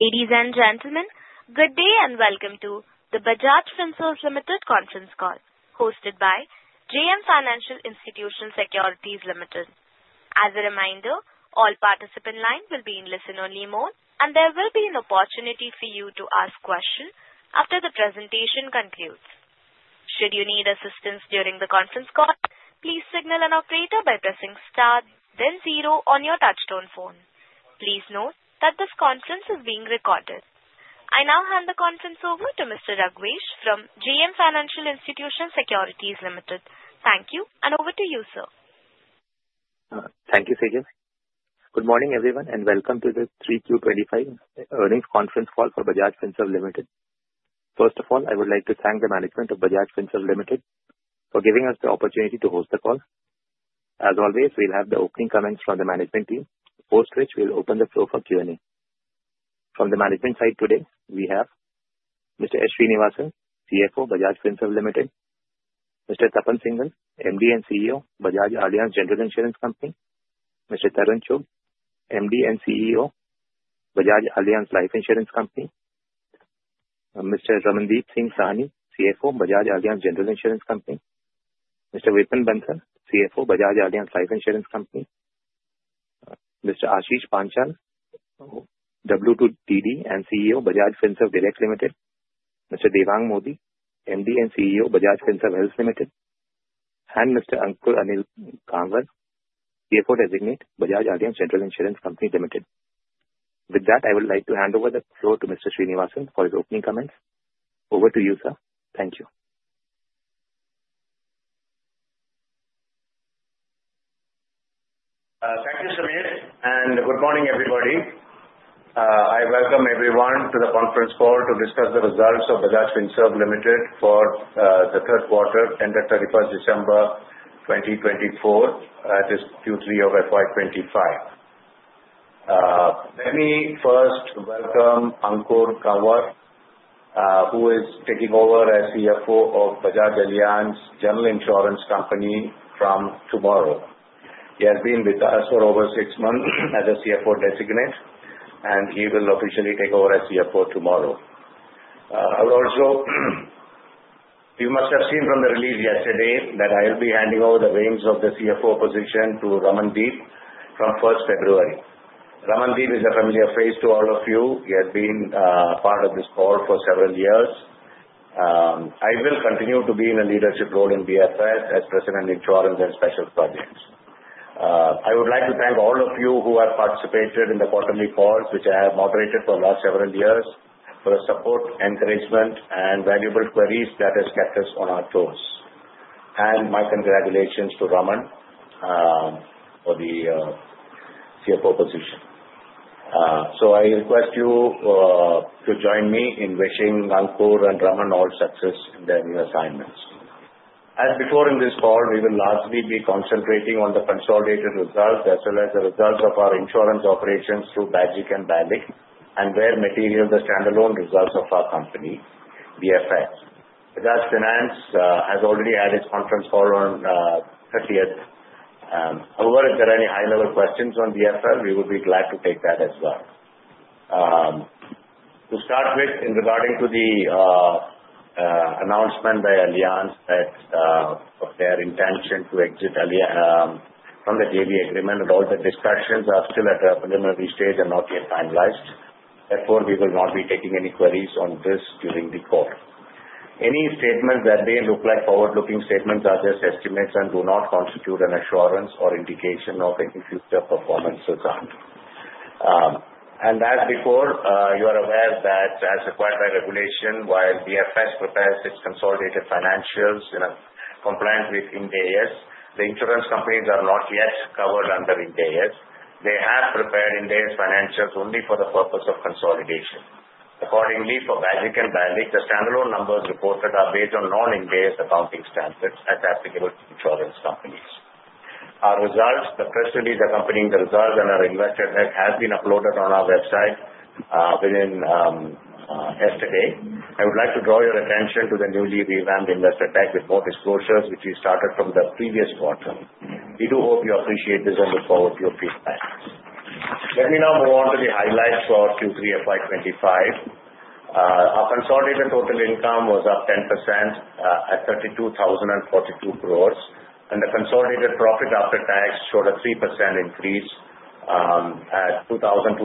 Ladies and gentlemen, good day and welcome to the Bajaj Finserv Limited conference call, hosted by JM Financial Institutional Securities Limited. As a reminder, all participants in line will be in listen-only mode, and there will be an opportunity for you to ask questions after the presentation concludes. Should you need assistance during the conference call, please signal an operator by pressing Star, then zero on your touch-tone phone. Please note that this conference is being recorded. I now hand the conference over to Mr. Sameer from JM Financial Institutional Securities Limited. Thank you, and over to you, sir. Thank you, Sejal. Good morning, everyone, and welcome to the 3Q25 earnings conference call for Bajaj Finserv Limited. First of all, I would like to thank the management of Bajaj Finserv Limited for giving us the opportunity to host the call. As always, we'll have the opening comments from the management team, post which we'll open the floor for Q&A. From the management side today, we have Mr. S. Sreenivasan, CFO, Bajaj Finserv Limited; Mr. Tapan Singhel, MD and CEO, Bajaj Allianz General Insurance Company; Mr. Tarun Chugh, MD and CEO, Bajaj Allianz Life Insurance Company; Mr. Ramandeep Singh Sahni, CFO, Bajaj Allianz General Insurance Company; Mr. Vipin Bansal, CFO, Bajaj Allianz Life Insurance Company; Mr. Ashish Panchal, MD and CEO, Bajaj Finserv Direct Limited; Mr. Devang Mody, MD and CEO, Bajaj Finserv Health Limited; and Mr. Ankur Anil Kanwar, CFO Designate, Bajaj Allianz General Insurance Company Limited. With that, I would like to hand over the floor to Mr. Sreenivasan for his opening comments. Over to you, sir. Thank you. Thank you, Sameer, and good morning, everybody. I welcome everyone to the conference call to discuss the results of Bajaj Finserv Limited for the third quarter, ended 31st December 2024, at this Q3 of FY25. Let me first welcome Ankur Anil Kanwar, who is taking over as CFO of Bajaj Allianz General Insurance Company from tomorrow. He has been with us for over six months as a CFO Designate, and he will officially take over as CFO tomorrow. I would also. You must have seen from the release yesterday that I will be handing over the reins of the CFO position to Ramandeep from 1st February. Ramandeep is a familiar face to all of you. He has been part of this call for several years. I will continue to be in a leadership role in BFS as President of Insurance and Special Projects. I would like to thank all of you who have participated in the quarterly calls, which I have moderated for the last several years, for the support, encouragement, and valuable queries that have kept us on our toes, and my congratulations to Raman for the CFO position, so I request you to join me in wishing Ankur and Raman all success in their new assignments. As before in this call, we will largely be concentrating on the consolidated results as well as the results of our insurance operations through BAGIC and BALIC, and where material the standalone results of our company, BFS. Bajaj Finance has already had its conference call on the 30th. However, if there are any high-level questions on BFL, we would be glad to take that as well. To start with, in regard to the announcement by Allianz of their intention to exit from the JV agreement, all the discussions are still at a preliminary stage and not yet finalized. Therefore, we will not be taking any queries on this during the call. Any statements that may look like forward-looking statements are just estimates and do not constitute an assurance or indication of any future performance result. And as before, you are aware that as required by regulation, while BFS prepares its consolidated financials in compliance with Ind AS, the insurance companies are not yet covered under Ind AS. They have prepared Ind AS financials only for the purpose of consolidation. Accordingly, for BAGIC and BALIC, the standalone numbers reported are based on non-Ind AS accounting standards as applicable to insurance companies. Our results, the press release accompanying the results and our investor deck, have been uploaded on our website yesterday. I would like to draw your attention to the newly revamped investor deck with more disclosures, which we started from the previous quarter. We do hope you appreciate this and look forward to your feedback. Let me now move on to the highlights for Q3 FY25. Our consolidated total income was up 10% at 32,042 crores, and the consolidated profit after tax showed a 3% increase at INR 2,231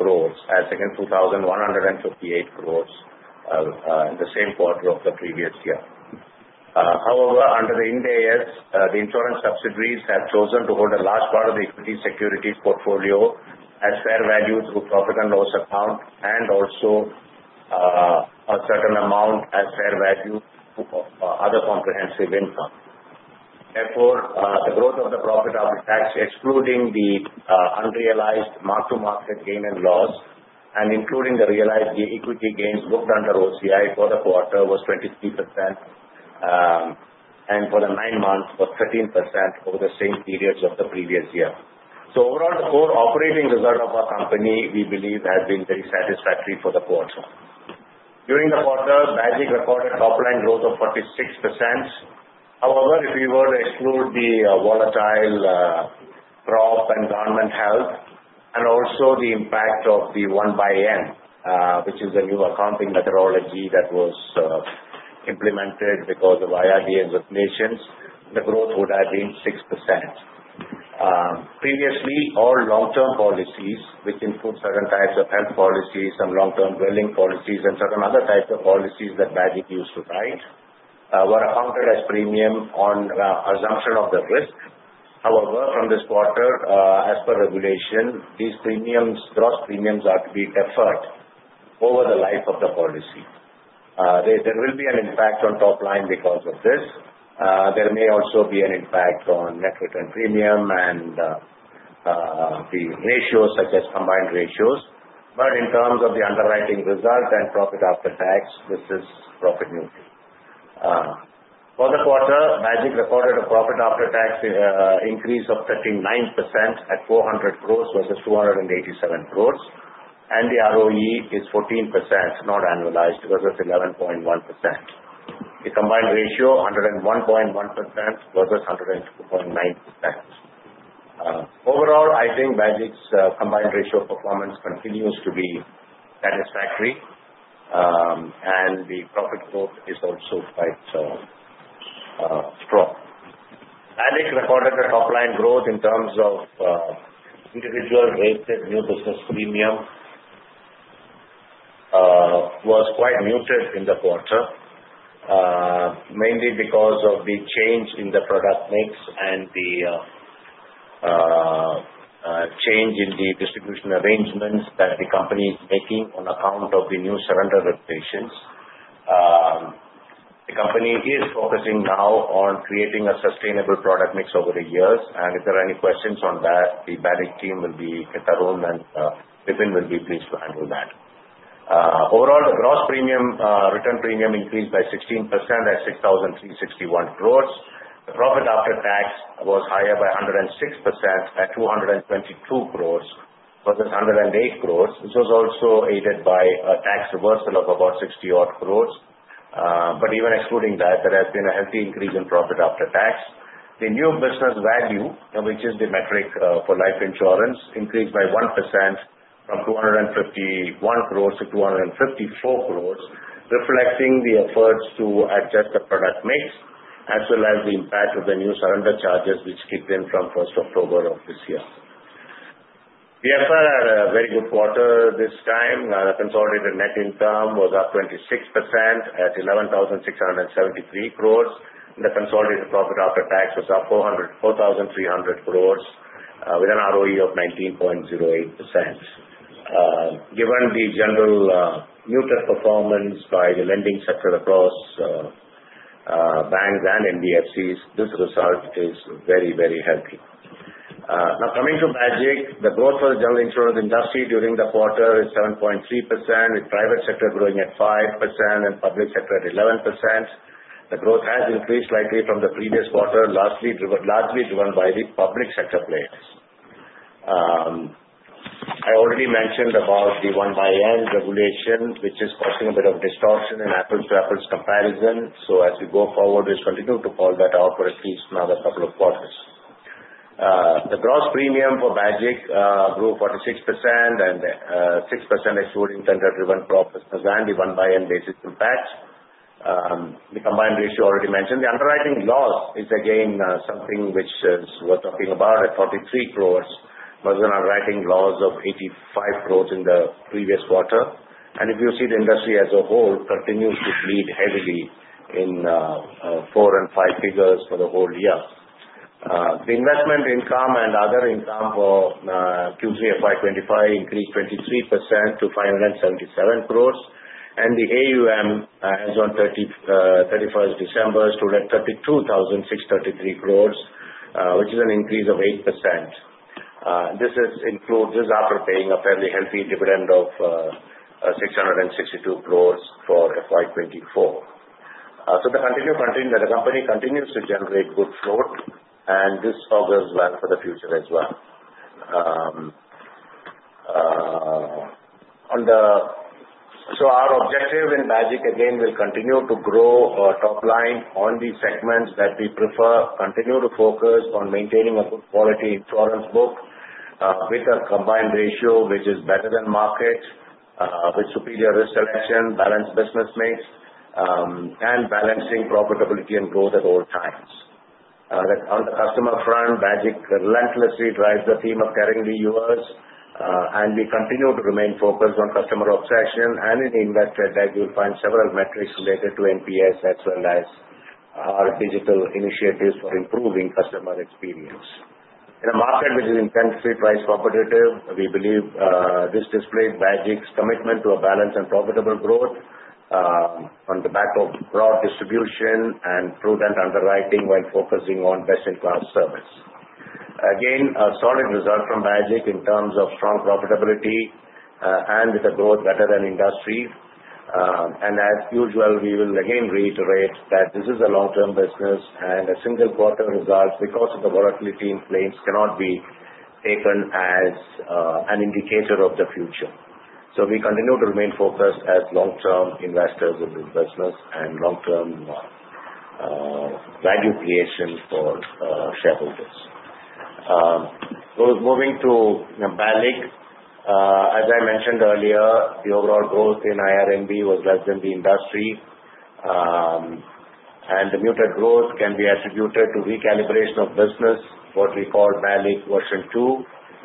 crores, as against 2,158 crores in the same quarter of the previous year. However, under the Ind AS, the insurance subsidiaries have chosen to hold a large part of the equity securities portfolio as fair value through profit and loss account, and also a certain amount as fair value for other comprehensive income. Therefore, the growth of the profit after tax, excluding the unrealized mark-to-market gain and loss, and including the realized equity gains booked under OCI for the quarter, was 23%, and for the nine months, was 13% over the same periods of the previous year. So overall, the core operating result of our company, we believe, has been very satisfactory for the quarter. During the quarter, BAGIC recorded top-line growth of 46%. However, if we were to exclude the volatile crop and government health, and also the impact of the 1/365, which is the new accounting methodology that was implemented because of IBNR and regulations, the growth would have been 6%. Previously, all long-term policies, which include certain types of health policies, some long-term dwelling policies, and certain other types of policies that BAGIC used to write, were accounted as premium on assumption of the risk. However, from this quarter, as per regulation, these gross premiums are to be deferred over the life of the policy. There will be an impact on top-line because of this. There may also be an impact on net return premium and the ratios, such as combined ratios. But in terms of the underwriting result and profit after tax, this is profit neutral. For the quarter, BAGIC recorded a profit after tax increase of 39% at 400 crores versus 287 crores, and the ROE is 14%, not annualized, versus 11.1%. The combined ratio, 101.1% versus 102.9%. Overall, I think BAGIC's combined ratio performance continues to be satisfactory, and the profit growth is also quite strong. BALIC recorded a top-line growth in terms of individual rated new business premium, which was quite muted in the quarter, mainly because of the change in the product mix and the change in the distribution arrangements that the company is making on account of the new surrender regulations. The company is focusing now on creating a sustainable product mix over the years, and if there are any questions on that, the BALIC team will be at their own, and Vipin will be pleased to handle that. Overall, the gross return premium increased by 16% at 6,361 crores. The profit after tax was higher by 106% at 222 crores versus 108 crores. This was also aided by a tax reversal of about 60-odd crores, but even excluding that, there has been a healthy increase in profit after tax. The new business value, which is the metric for life insurance, increased by 1% from 251 crores to 254 crores, reflecting the efforts to adjust the product mix, as well as the impact of the new surrender charges, which kicked in from 1st October of this year. BFS had a very good quarter this time. The consolidated net income was up 26% at 11,673 crores, and the consolidated profit after tax was up 4,300 crores, with an ROE of 19.08%. Given the general muted performance by the lending sector across banks and NBFCs, this result is very, very healthy. Now, coming to BAGIC, the growth for the general insurance industry during the quarter is 7.3%, with private sector growing at 5% and public sector at 11%. The growth has increased slightly from the previous quarter, largely driven by the public sector players. I already mentioned about the 1xM regulation, which is causing a bit of distortion in apples-to-apples comparison. So as we go forward, we'll continue to call that out for at least another couple of quarters. The gross premium for BAGIC grew 46%, and 6% excluding tender-driven profits and the 1xM basis impacts. The combined ratio already mentioned. The underwriting loss is again something which we're talking about at 43 crores versus underwriting loss of 85 crores in the previous quarter. And if you see the industry as a whole, it continues to bleed heavily in four and five figures for the whole year. The investment income and other income for Q3 FY2025 increased 23% to 577 crores, and the AUM as of 31st December stood at 32,633 crores, which is an increase of 8%. This is after paying a fairly healthy dividend of 662 crores for FY2024. So the continued commitment that the company continues to generate good float, and this augurs well for the future as well. So our objective in BAGIC, again, will continue to grow top-line on the segments that we prefer, continue to focus on maintaining a good quality insurance book with a combined ratio which is better than market, with superior risk selection, balanced business mix, and balancing profitability and growth at all times. On the customer front, BAGIC relentlessly drives the theme of caring culture, and we continue to remain focused on customer obsession. And in the investor deck, you'll find several metrics related to NPS as well as our digital initiatives for improving customer experience. In a market which is intensely price competitive, we believe this displays BAGIC's commitment to a balanced and profitable growth on the back of broad distribution and prudent underwriting while focusing on best-in-class service. Again, a solid result from BAGIC in terms of strong profitability and with a growth better than industry. And as usual, we will again reiterate that this is a long-term business, and a single quarter result because of the volatility in claims cannot be taken as an indicator of the future. So we continue to remain focused as long-term investors in this business and long-term value creation for shareholders. Moving to BALIC, as I mentioned earlier, the overall growth in IRNB was less than the industry, and the muted growth can be attributed to recalibration of business, what we call BALIC Version 2,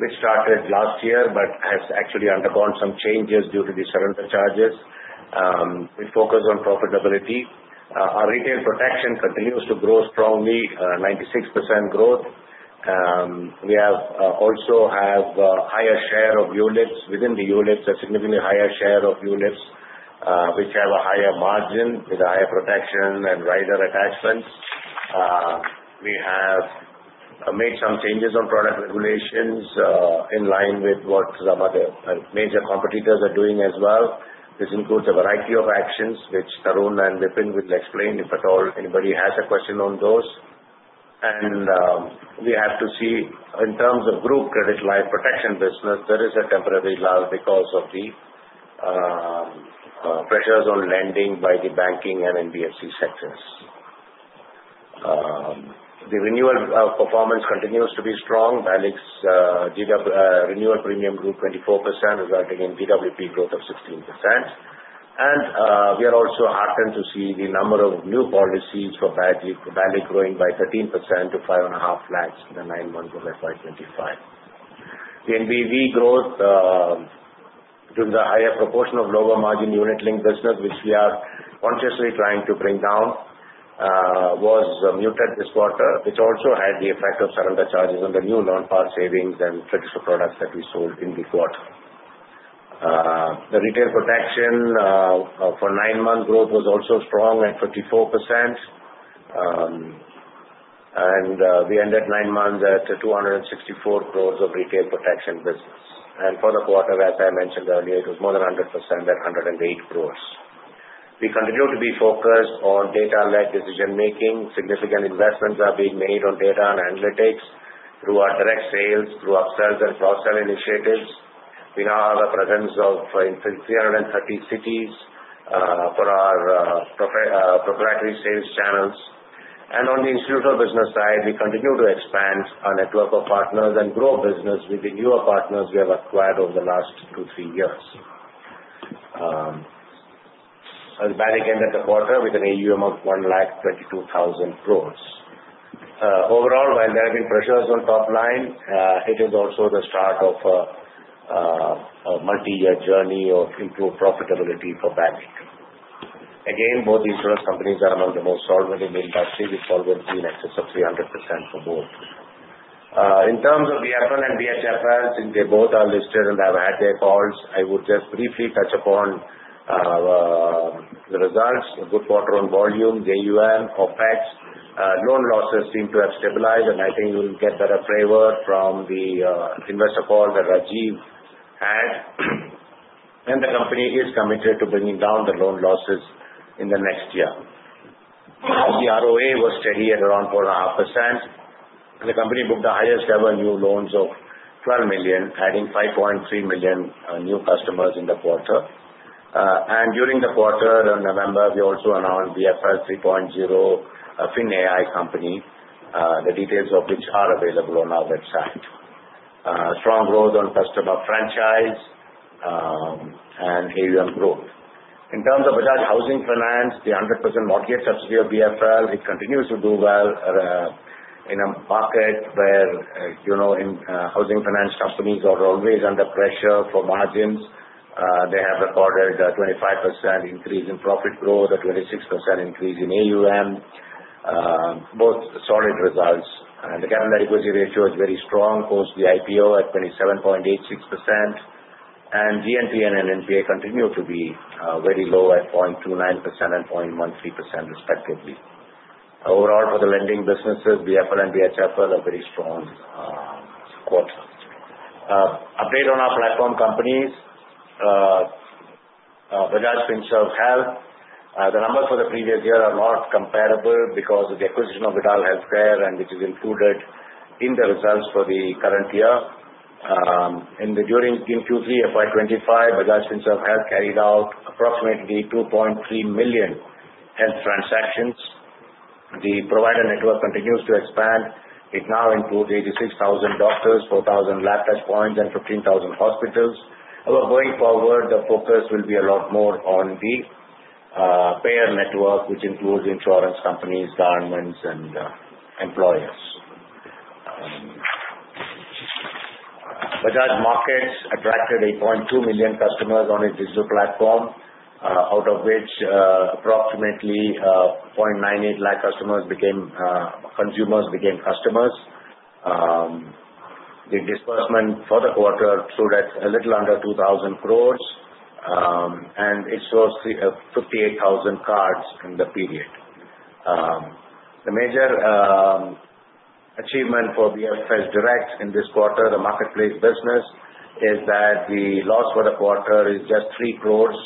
which started last year but has actually undergone some changes due to the surrender charges. We focus on profitability. Our retail protection continues to grow strongly, 96% growth. We also have a higher share of units within the units, a significantly higher share of units which have a higher margin with a higher protection and wider attachments. We have made some changes on product regulations in line with what some of the major competitors are doing as well. This includes a variety of actions which Tarun and Vipin will explain if at all anybody has a question on those. And we have to see in terms of group credit line protection business, there is a temporary lull because of the pressures on lending by the banking and NBFC sectors. The renewal performance continues to be strong. BALIC's renewal premium grew 24%, resulting in GWP growth of 16%. And we are also heartened to see the number of new policies for BALIC growing by 13% to 5.5 lakhs in the nine months of FY2025. The VNB growth, due to the higher proportion of lower margin ULIP-linked business, which we are consciously trying to bring down, was muted this quarter, which also had the effect of surrender charges on the new non-par savings and traditional products that we sold in the quarter. The retail protection for nine months' growth was also strong at 54%, and we ended nine months at 264 crores of retail protection business. For the quarter, as I mentioned earlier, it was more than 100% at 108 crores. We continue to be focused on data-led decision-making. Significant investments are being made on data and analytics through our direct sales, through our sales and cross-sell initiatives. We now have a presence of 330 cities for our proprietary sales channels. On the institutional business side, we continue to expand our network of partners and grow business with the newer partners we have acquired over the last two, three years. BALIC ended the quarter with an AUM of 1,222,000 crore. Overall, while there have been pressures on top-line, it is also the start of a multi-year journey of improved profitability for BALIC. Again, both the insurance companies are among the most solvent in the industry, with solvency margin excess of 300% for both. In terms of the BHFL and VHFLs, since they both are listed and have had their calls, I would just briefly touch upon the results: good quarter on volume, NIM, OPEX. Loan losses seem to have stabilized, and I think we will get better flavor from the investor call that Rajiv had. The company is committed to bringing down the loan losses in the next year. The ROA was steady at around 4.5%, and the company booked the highest-ever new loans of 12 million, adding 5.3 million new customers in the quarter. During the quarter in November, we also announced BFL 3.0, a FinAI company, the details of which are available on our website. Strong growth on customer franchise and AUM growth. In terms of Bajaj Housing Finance, the 100% mortgage subsidiary of BFL, it continues to do well in a market where housing finance companies are always under pressure for margins. They have recorded a 25% increase in profit growth, a 26% increase in AUM. Both solid results. The capital equity ratio is very strong, post the IPO at 27.86%. GNPA and NNPA continue to be very low at 0.29% and 0.13%, respectively. Overall, for the lending businesses, BFL and VHFL are very strong quarters. Update on our platform companies: Bajaj Finserv Health. The numbers for the previous year are not comparable because of the acquisition of Vidal Healthcare, and this is included in the results for the current year. During Q3 FY2025, Bajaj Finserv Health carried out approximately 2.3 million health transactions. The provider network continues to expand. It now includes 86,000 doctors, 4,000 lab touchpoints, and 15,000 hospitals. However, going forward, the focus will be a lot more on the payer network, which includes insurance companies, governments, and employers. Bajaj Markets attracted 8.2 million customers on its digital platform, out of which approximately 0.98 lakh customers became consumers, became customers. The disbursement for the quarter stood at a little under 2,000 crores, and it shows 58,000 cards in the period. The major achievement for BFS Direct in this quarter, the marketplace business, is that the loss for the quarter is just 3 crores,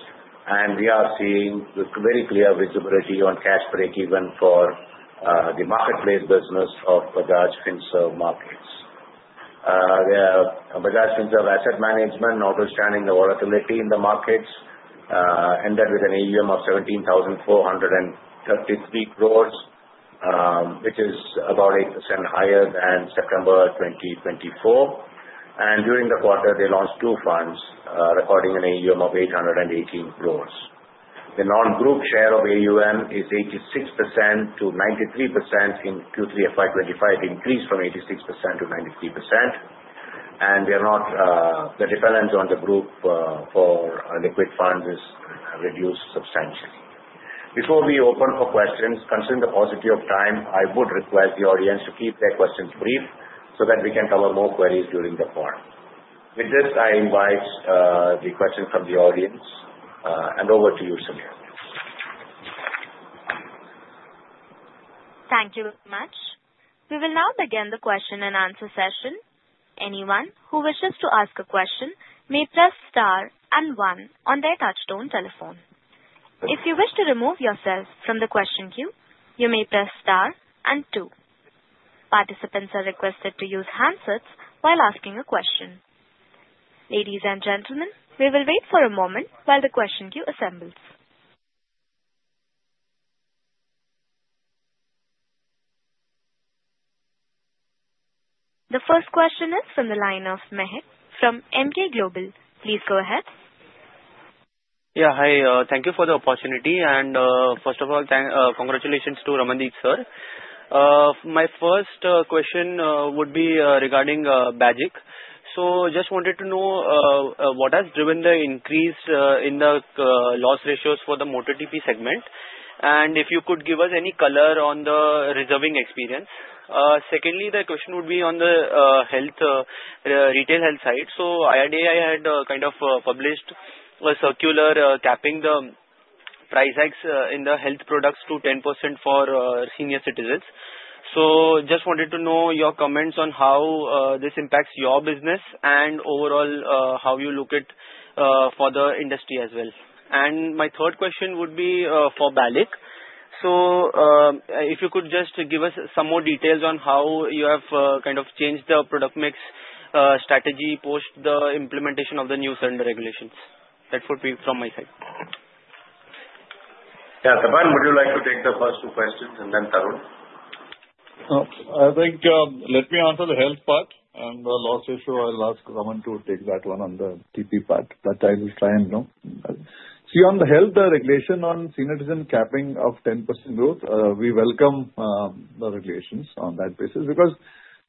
and we are seeing very clear visibility on cash break even for the marketplace business of Bajaj Finserv Markets. Bajaj Finserv Asset Management, notwithstanding the volatility in the markets, ended with an AUM of 17,433 crores, which is about 8% higher than September 2024. During the quarter, they launched two funds, recording an AUM of 818 crores. The non-group share of AUM is 86%-93% in Q3 FY25, increased from 86%-93%. The dependence on the group for liquid funds is reduced substantially. Before we open for questions, considering the paucity of time, I would request the audience to keep their questions brief so that we can cover more queries during the forum. With this, I invite the questions from the audience, and over to you, Suneela. Thank you very much. We will now begin the question and answer session. Anyone who wishes to ask a question may press star and one on their touch-tone telephone. If you wish to remove yourself from the question queue, you may press star and two. Participants are requested to use handsets while asking a question. Ladies and gentlemen, we will wait for a moment while the question queue assembles. The first question is from the line of Mahek from Emkay Global. Please go ahead. Yeah, hi. Thank you for the opportunity. And first of all, congratulations to Ramandeep Sir. My first question would be regarding BAGIC. So I just wanted to know what has driven the increase in the loss ratios for the motor TP segment, and if you could give us any color on the reserving experience. Secondly, the question would be on the retail health side. So IRDA had kind of published a circular capping the price tags in the health products to 10% for senior citizens. So just wanted to know your comments on how this impacts your business and overall how you look at the industry as well. And my third question would be for BALIC. So if you could just give us some more details on how you have kind of changed the product mix strategy post the implementation of the new surrender regulations. That would be from my side. Yeah, Tapan, would you like to take the first two questions, and then Tarun? I think let me answer the health part, and the loss issue I'll ask Ramandeep to take that one on the TP part, but I will try and see on the health regulation on senior citizen capping of 10% growth. We welcome the regulations on that basis because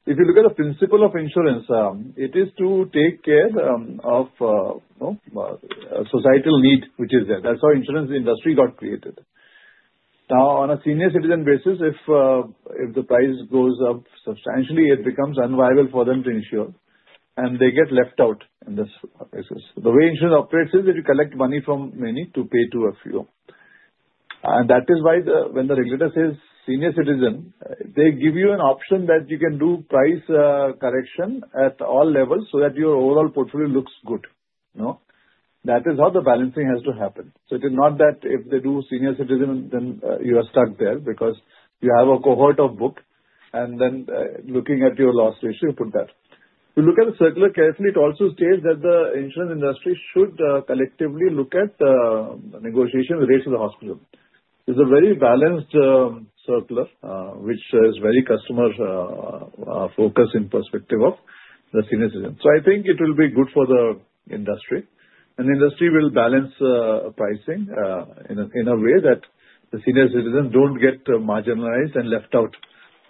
if you look at the principle of insurance, it is to take care of societal need, which is there. That's how insurance industry got created. Now, on a senior citizen basis, if the price goes up substantially, it becomes unviable for them to insure, and they get left out in this basis. The way insurance operates is that you collect money from many to pay to a few, and that is why when the regulator says senior citizen, they give you an option that you can do price correction at all levels so that your overall portfolio looks good. That is how the balancing has to happen. So it is not that if they do senior citizen, then you are stuck there because you have a cohort of book, and then looking at your loss ratio, you put that. If you look at the circular carefully, it also states that the insurance industry should collectively look at the negotiation rates of the hospital. It's a very balanced circular, which is very customer-focused in perspective of the senior citizens. So I think it will be good for the industry, and the industry will balance pricing in a way that the senior citizens don't get marginalized and left out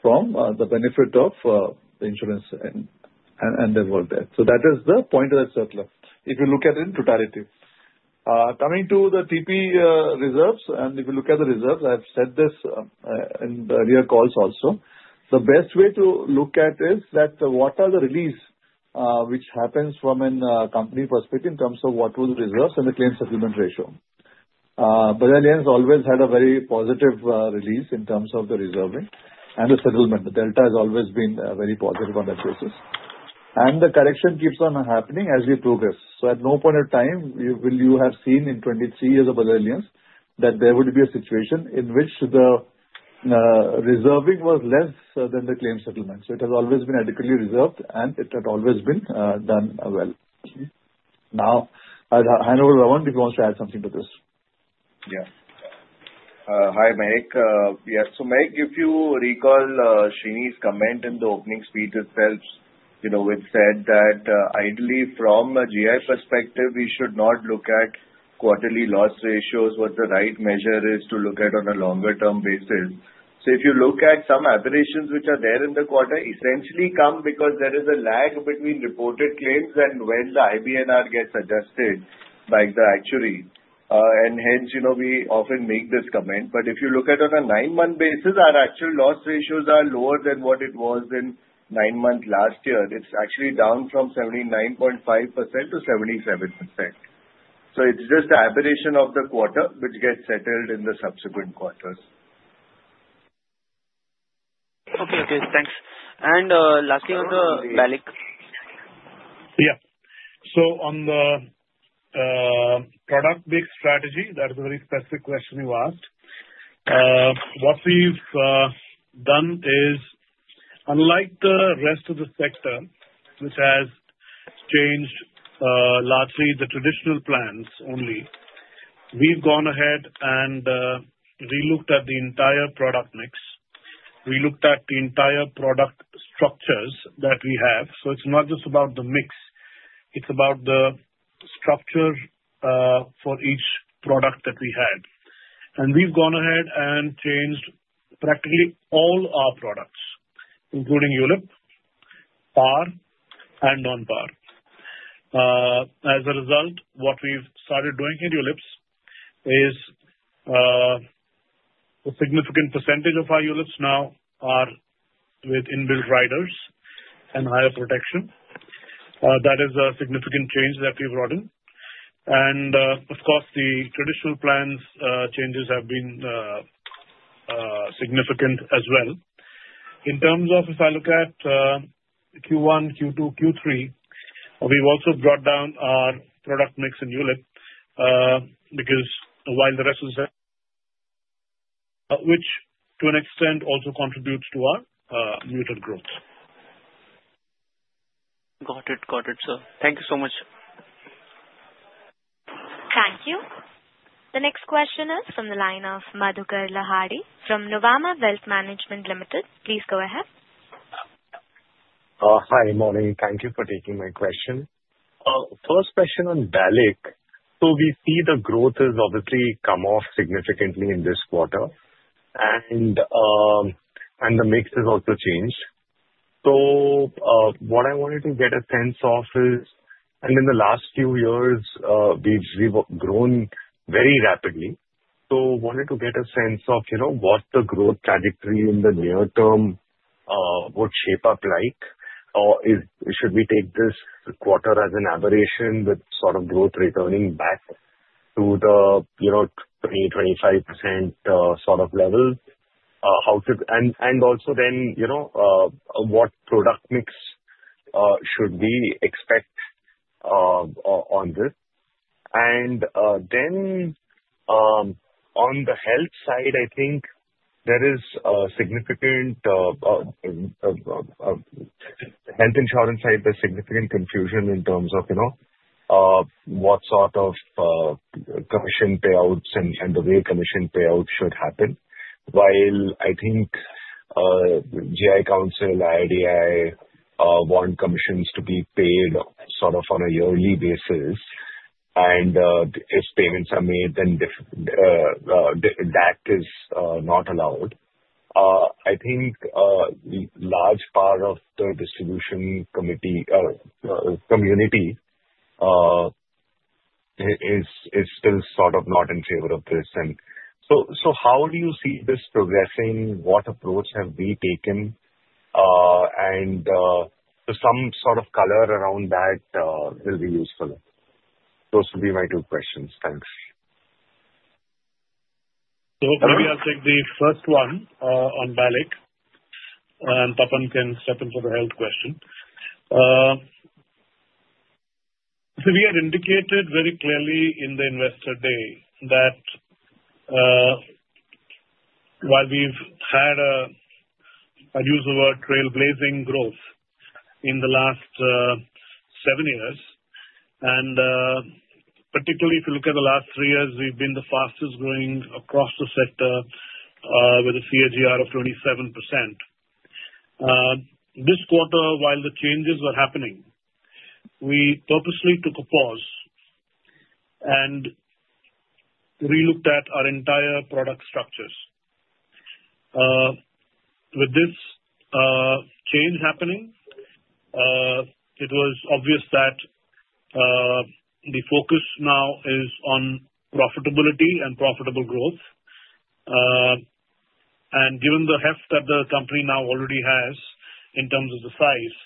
from the benefit of the insurance and the world there. So that is the point of that circular, if you look at it in totality. Coming to the TP reserves, and if you look at the reserves, I've said this in the earlier calls also. The best way to look at is that what are the release which happens from a company perspective in terms of what were the reserves and the claim settlement ratio. Bajaj Allianz always had a very positive release in terms of the reserving and the settlement. The delta has always been very positive on that basis. And the correction keeps on happening as we progress. So at no point of time will you have seen in 23 years of Bajaj Allianz that there would be a situation in which the reserving was less than the claim settlement. So it has always been adequately reserved, and it had always been done well. Now, I'd hand over to Raman if he wants to add something to this. Yeah. Hi, Mahek. Yeah, so Mahek, if you recall Sreenivasan's comment in the opening speech itself, which said that ideally from a GI perspective, we should not look at quarterly loss ratios. What the right measure is to look at on a longer-term basis. So if you look at some aberrations which are there in the quarter, essentially come because there is a lag between reported claims and when the IBNR gets adjusted by the actuary. And hence, we often make this comment. But if you look at it on a nine-month basis, our actual loss ratios are lower than what it was in nine months last year. It's actually down from 79.5% to 77%. So it's just aberration of the quarter which gets settled in the subsequent quarters. Okay, okay. Thanks. And last thing on the BALIC. Yeah. So on the product mix strategy, that is a very specific question you asked. What we've done is, unlike the rest of the sector, which has changed largely the traditional plans only, we've gone ahead and relooked at the entire product mix. We looked at the entire product structures that we have. So it's not just about the mix. It's about the structure for each product that we had. And we've gone ahead and changed practically all our products, including ULIP, PAR, and non-PAR. As a result, what we've started doing in ULIPs is a significant percentage of our ULIPs now are with inbuilt riders and higher protection. That is a significant change that we've brought in. And of course, the traditional plans changes have been significant as well. In terms of if I look at Q1, Q2, Q3, we've also brought down our product mix in ULIP because while the rest of the sector, which to an extent also contributes to our muted growth. Got it, got it, sir. Thank you so much. Thank you. The next question is from the line of Madhukar Ladha from Nuvama Wealth Management Limited. Please go ahead. Hi, morning. Thank you for taking my question. First question on BALIC. So we see the growth has obviously come off significantly in this quarter, and the mix has also changed. So what I wanted to get a sense of is, and in the last few years, we've grown very rapidly. So I wanted to get a sense of what the growth trajectory in the near term would shape up like. Should we take this quarter as an aberration with sort of growth returning back to the 20%-25% sort of level? And also then, what product mix should we expect on this? And then on the health side, I think there is significant health insurance side, there's significant confusion in terms of what sort of commission payouts and the way commission payouts should happen. While I think GIC, IRDAI want commissions to be paid sort of on a yearly basis, and if payments are made, then that is not allowed. I think a large part of the distribution community is still sort of not in favor of this. And so how do you see this progressing? What approach have we taken? And some sort of color around that will be useful. Those would be my two questions. Thanks. So maybe I'll take the first one onBALIC, and Tarun can step in for the health question. So we had indicated very clearly in the investor day that while we've had, I'll use the word, trailblazing growth in the last seven years, and particularly if you look at the last three years, we've been the fastest growing across the sector with a CAGR of 27%. This quarter, while the changes were happening, we purposely took a pause and relooked at our entire product structures. With this change happening, it was obvious that the focus now is on profitability and profitable growth. And given the heft that the company now already has in terms of the size,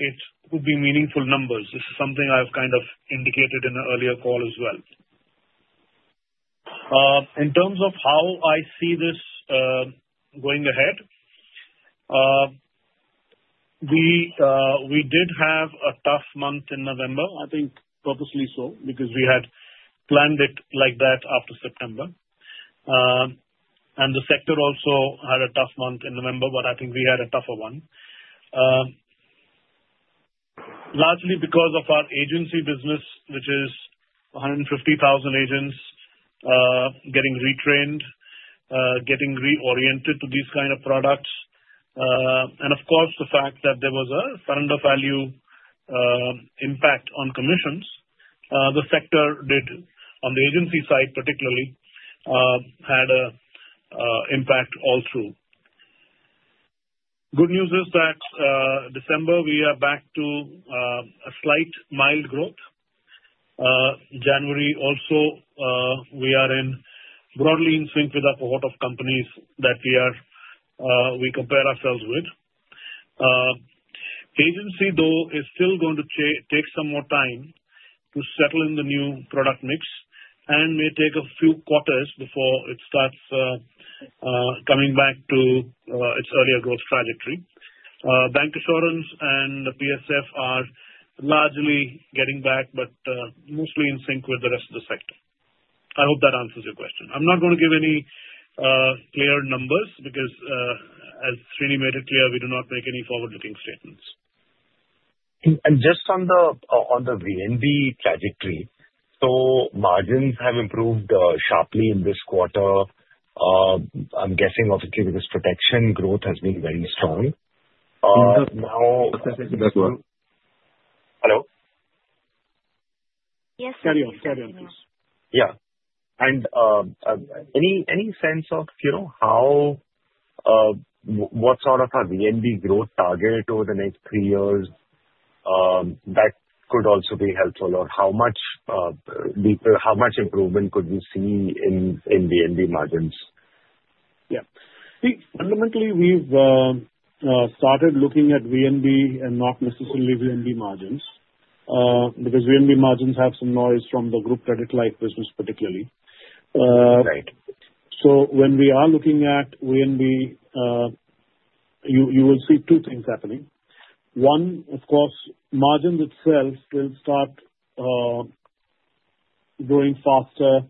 it would be meaningful numbers. This is something I've kind of indicated in an earlier call as well. In terms of how I see this going ahead, we did have a tough month in November, I think purposely so because we had planned it like that after September, and the sector also had a tough month in November, but I think we had a tougher one, largely because of our agency business, which is 150,000 agents getting retrained, getting reoriented to these kind of products, and of course, the fact that there was a surrender value impact on commissions, the sector did, on the agency side particularly, had an impact all through. Good news is that December, we are back to a slight mild growth. January also, we are broadly in sync with a cohort of companies that we compare ourselves with. Agency, though, is still going to take some more time to settle in the new product mix and may take a few quarters before it starts coming back to its earlier growth trajectory. Bank assurance and PSF are largely getting back, but mostly in sync with the rest of the sector. I hope that answers your question. I'm not going to give any clear numbers because, as Srini made it clear, we do not make any forward-looking statements. And just on the VNB trajectory, so margins have improved sharply in this quarter. I'm guessing obviously because protection growth has been very strong. Now. That's what. Hello? Yes, sir. Carry on, carry on, please. Yeah, and any sense of what sort of a VNB growth target over the next three years, that could also be helpful, or how much improvement could we see in VNB margins? Yeah. Fundamentally, we've started looking at VNB and not necessarily VNB margins because VNB margins have some noise from the group credit life business particularly. So when we are looking at VNB, you will see two things happening. One, of course, margins itself will start growing faster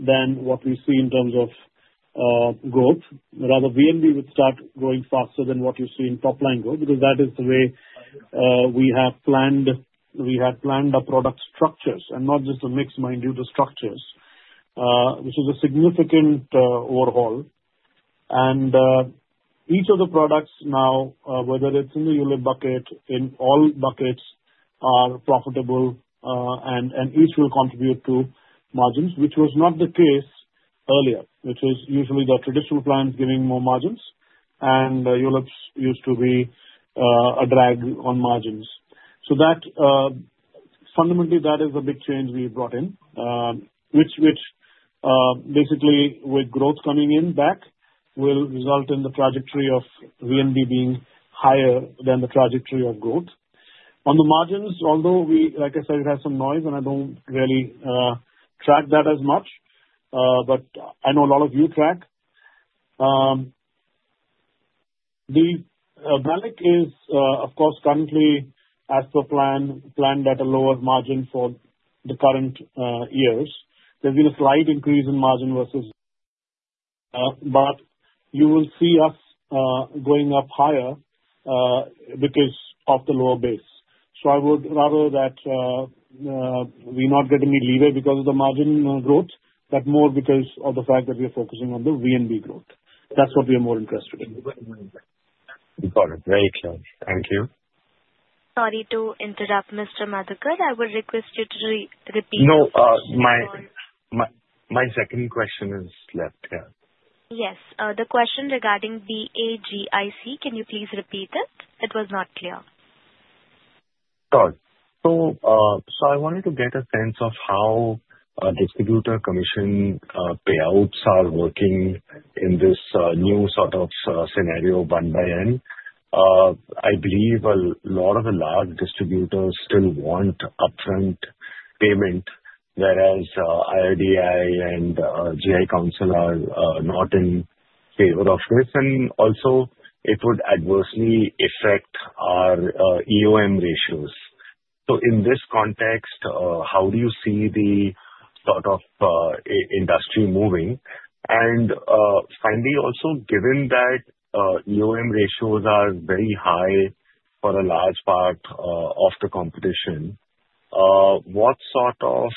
than what we see in terms of growth. Rather, VNB would start growing faster than what you see in top-line growth because that is the way we have planned our product structures and not just the mixed-minded structures, which is a significant overhaul. And each of the products now, whether it's in the ULIP bucket, in all buckets, are profitable, and each will contribute to margins, which was not the case earlier, which was usually the traditional plans giving more margins, and ULIPs used to be a drag on margins. So fundamentally, that is a big change we brought in, which basically with growth coming in back will result in the trajectory of VNB being higher than the trajectory of growth. On the margins, although we, like I said, have some noise, and I don't really track that as much, but I know a lot of you track. BALIC is, of course, currently as per plan, planned at a lower margin for the current years. There's been a slight increase in margin versus margin, but you will see us going up higher because of the lower base. So I would rather that we not get any leeway because of the margin growth, but more because of the fact that we are focusing on the VNB growth. That's what we are more interested in. Got it. Very clear. Thank you. Sorry to interrupt, Mr. Madhukar. I will request you to repeat. No, my second question is left, yeah. Yes. The question regarding BAGIC, can you please repeat it? It was not clear. Sure. So I wanted to get a sense of how distributor commission payouts are working in this new sort of scenario, on the back end. I believe a lot of the large distributors still want upfront payment, whereas IRDAI and GI Council are not in favor of this. And also, it would adversely affect our EOM ratios. So in this context, how do you see the sort of industry moving? And finally, also given that EOM ratios are very high for a large part of the competition, what sort of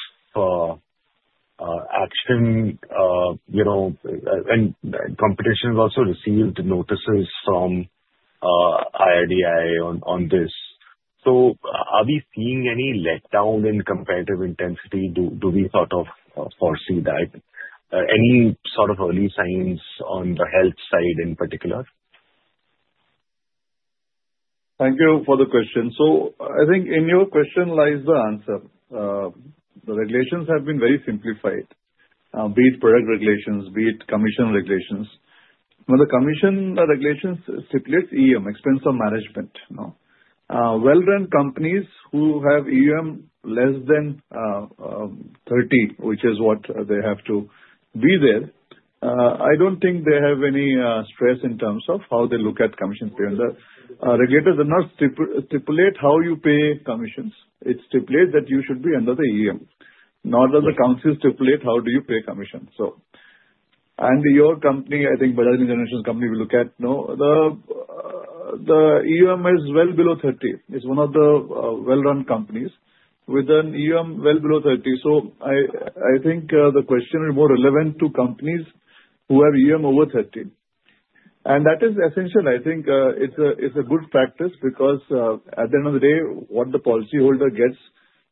action and competition has also received notices from IRDAI on this? So are we seeing any letdown in competitive intensity? Do we sort of foresee that? Any sort of early signs on the health side in particular? Thank you for the question. So I think in your question lies the answer. The regulations have been very simplified, be it product regulations, be it commission regulations. Now, the commission regulations stipulates EOM, expense of management. Well-run companies who have EOM less than 30, which is what they have to be there, I don't think they have any stress in terms of how they look at commission pay. The regulators do not stipulate how you pay commissions. It stipulates that you should be under the EOM, not that it controls how you pay commissions. And your company, I think Bajaj Allianz Company, the EOM is well below 30. It's one of the well-run companies with an EOM well below 30. So I think the question is more relevant to companies who have EOM over 30. And that is essential. I think it's a good practice because at the end of the day, what the policyholder gets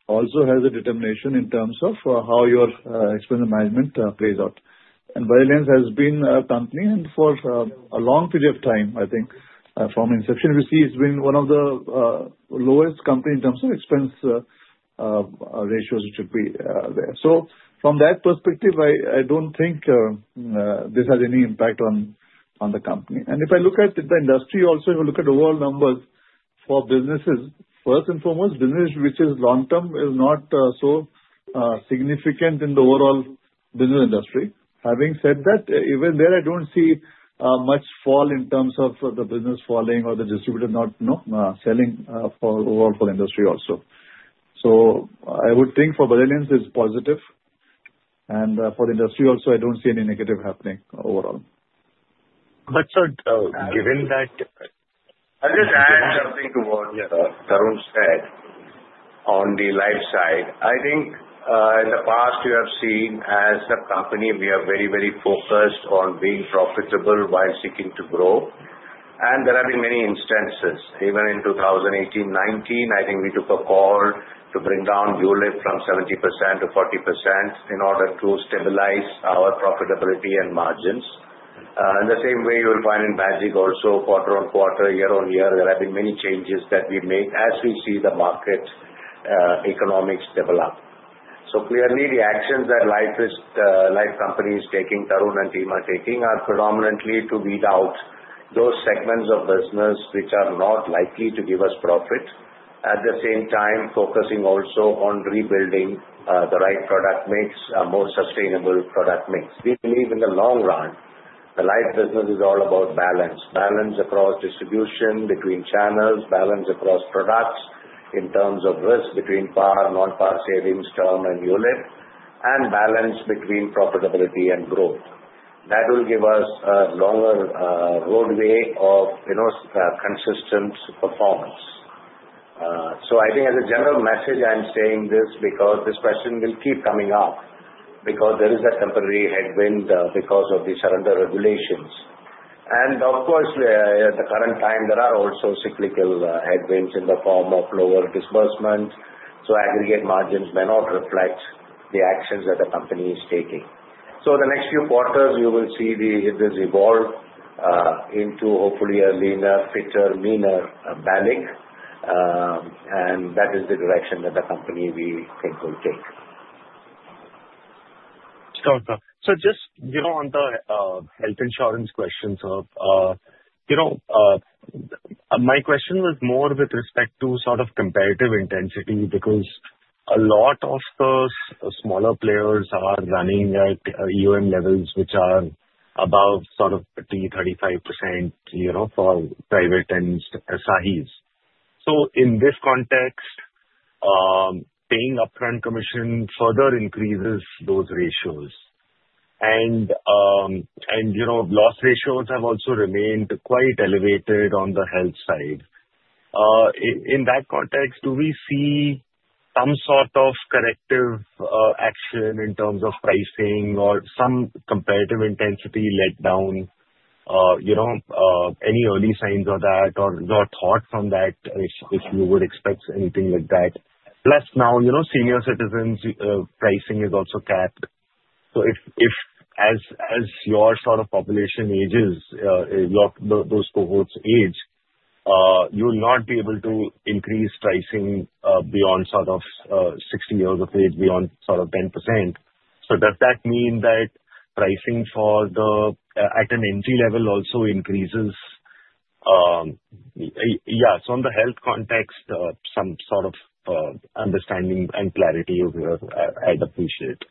also has a determination in terms of how your expense management plays out. And Bajaj Life has been a company for a long period of time, I think. From inception, we see it's been one of the lowest companies in terms of expense ratios. It should be there. So from that perspective, I don't think this has any impact on the company. And if I look at the industry, also if I look at the overall numbers for businesses, first and foremost, business which is long-term is not so significant in the overall business industry. Having said that, even there, I don't see much fall in terms of the business falling or the distributor not selling for overall for the industry also. So I would think for Bajaj Life it's positive. For the industry also, I don't see any negative happening overall. But given that, I'll just add something to what Tarun said on the life side. I think in the past, you have seen as a company, we are very, very focused on being profitable while seeking to grow. And there have been many instances. Even in 2018, 2019, I think we took a call to bring down ULIP from 70% to 40% in order to stabilize our profitability and margins. In the same way, you will find in Bajaj also quarter on quarter, year on year, there have been many changes that we make as we see the market economics develop. So clearly, the actions that life companies taking, Tarun and team are taking, are predominantly to weed out those segments of business which are not likely to give us profit, at the same time focusing also on rebuilding the right product mix, a more sustainable product mix. We believe in the long run, the life business is all about balance. Balance across distribution between channels, balance across products in terms of risk between par, non-par savings, term, and ULIP, and balance between profitability and growth. That will give us a longer roadway of consistent performance. So I think as a general message, I'm saying this because this question will keep coming up because there is a temporary headwind because of the surrender regulations. And of course, at the current time, there are also cyclical headwinds in the form of lower disbursement. So aggregate margins may not reflect the actions that the company is taking. So the next few quarters, you will see this evolve into hopefully a leaner, fitter, meaner BALIC. And that is the direction that the company we think will take. So just on the health insurance question, sir, my question was more with respect to sort of competitive intensity because a lot of the smaller players are running at EOM levels which are above sort of 30-35% for private and SAHIs. So in this context, paying upfront commission further increases those ratios. And loss ratios have also remained quite elevated on the health side. In that context, do we see some sort of corrective action in terms of pricing or some competitive intensity letdown, any early signs of that, or thought from that if you would expect anything like that? Plus now, senior citizens' pricing is also capped. So as your sort of population ages, those cohorts age, you will not be able to increase pricing beyond sort of 60 years of age, beyond sort of 10%. So does that mean that pricing at an entry level also increases? Yeah. So in the health context, some sort of understanding and clarity I'd appreciate.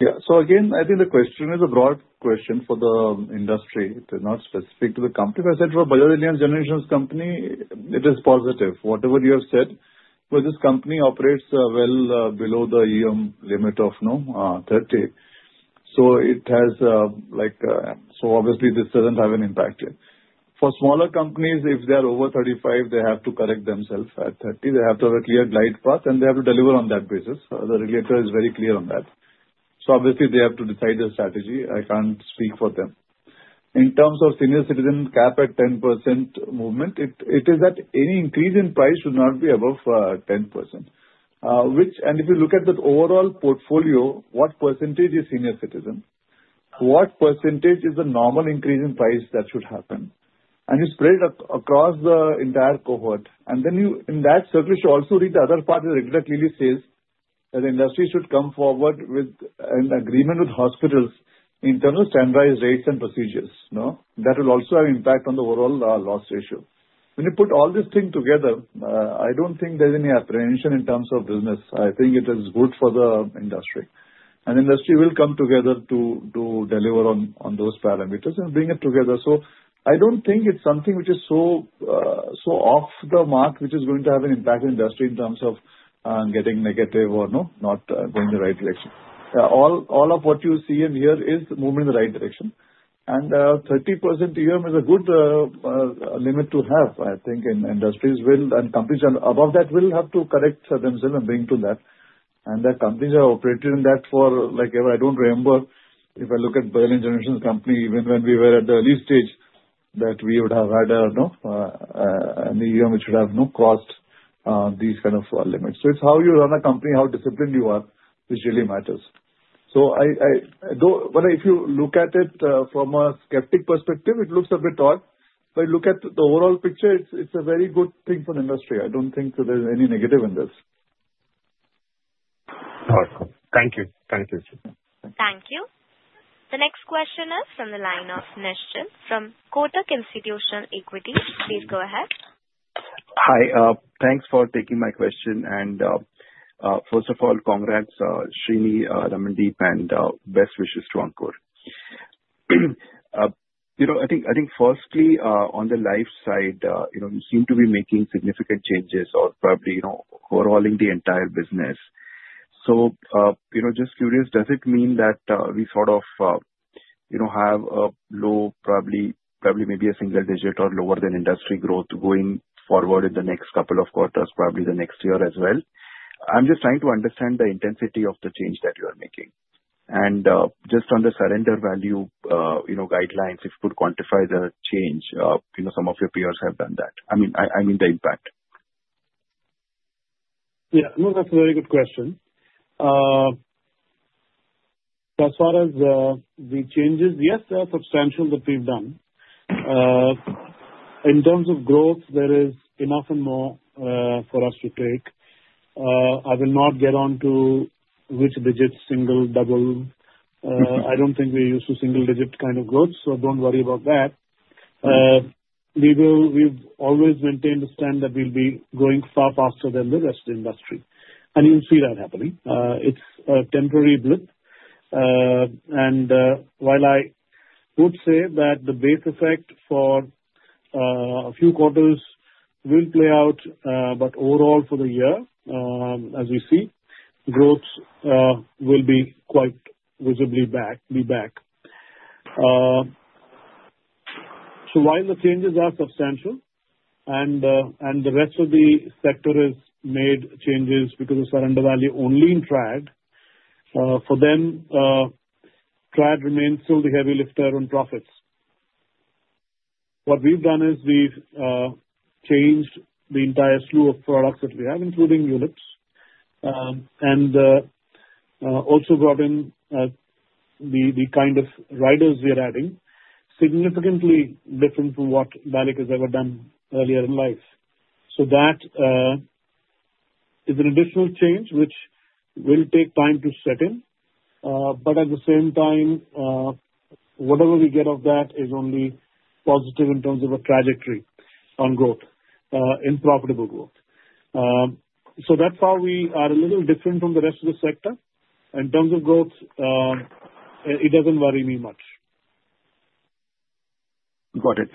Yeah. So again, I think the question is a broad question for the industry. It is not specific to the company. As I said, for Bajaj Allianz General Insurance Company, it is positive. Whatever you have said, because this company operates well below the EOM limit of 30%. So it has like so obviously, this doesn't have an impact here. For smaller companies, if they are over 35%, they have to correct themselves at 30%. They have to have a clear glide path, and they have to deliver on that basis. The regulator is very clear on that. So obviously, they have to decide the strategy. I can't speak for them. In terms of senior citizen cap at 10% movement, it is that any increase in price should not be above 10%. And if you look at the overall portfolio, what percentage is senior citizen? What percentage is the normal increase in price that should happen? And you spread it across the entire cohort. And then in that circle, you also read the other part of the regulator clearly says that the industry should come forward with an agreement with hospitals in terms of standardized rates and procedures. That will also have an impact on the overall loss ratio. When you put all these things together, I don't think there's any apprehension in terms of business. I think it is good for the industry. And the industry will come together to deliver on those parameters and bring it together. So I don't think it's something which is so off the mark which is going to have an impact on the industry in terms of getting negative or not going in the right direction. All of what you see in here is moving in the right direction, and 30% EOM is a good limit to have, I think, in industries and companies above that will have to correct themselves and bring to that, and the companies are operating in that for like ever. I don't remember if I look at Bajaj Allianz General Insurance Company, even when we were at the early stage, that we would have had an EOM which would have crossed these kind of limits. So it's how you run a company, how disciplined you are, which really matters, so if you look at it from a skeptical perspective, it looks a bit odd, but look at the overall picture. It's a very good thing for the industry. I don't think there's any negative in this. Awesome. Thank you. Thank you, sir. Thank you. The next question is from the line of Nischint from Kotak Institutional Equities. Please go ahead. Hi. Thanks for taking my question. And first of all, congrats, Srini, Ramandeep, and best wishes to Ankur. I think firstly, on the life side, you seem to be making significant changes or probably overhauling the entire business. So just curious, does it mean that we sort of have a low, probably maybe a single digit or lower than industry growth going forward in the next couple of quarters, probably the next year as well? I'm just trying to understand the intensity of the change that you are making. And just on the surrender value guidelines, if you could quantify the change, some of your peers have done that. I mean the impact. Yeah. No, that's a very good question. As far as the changes, yes, they are substantial that we've done. In terms of growth, there is enough and more for us to take. I will not get onto which digit, single, double. I don't think we're used to single-digit kind of growth, so don't worry about that. We've always maintained the stand that we'll be going far faster than the rest of the industry. And you'll see that happening. It's a temporary blip. And while I would say that the base effect for a few quarters will play out, but overall for the year, as we see, growth will be quite visibly back. So while the changes are substantial and the rest of the sector has made changes because of surrender value only in Trad, for them, Trad remains still the heavy lifter on profits. What we've done is we've changed the entire slew of products that we have, including ULIPs, and also brought in the kind of riders we are adding, significantly different from what BALIC has ever done earlier in life. So that is an additional change which will take time to set in. But at the same time, whatever we get of that is only positive in terms of a trajectory on growth, in profitable growth. So that's how we are a little different from the rest of the sector. In terms of growth, it doesn't worry me much. Got it.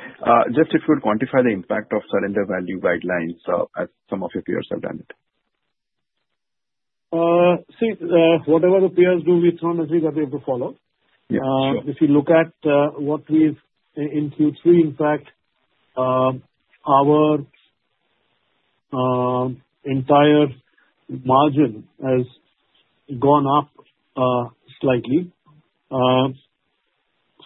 Just if you would quantify the impact of surrender value guidelines as some of your peers have done it? See, whatever the peers do, we strongly think that they have to follow. If you look at what we've in Q3, in fact, our entire margin has gone up slightly.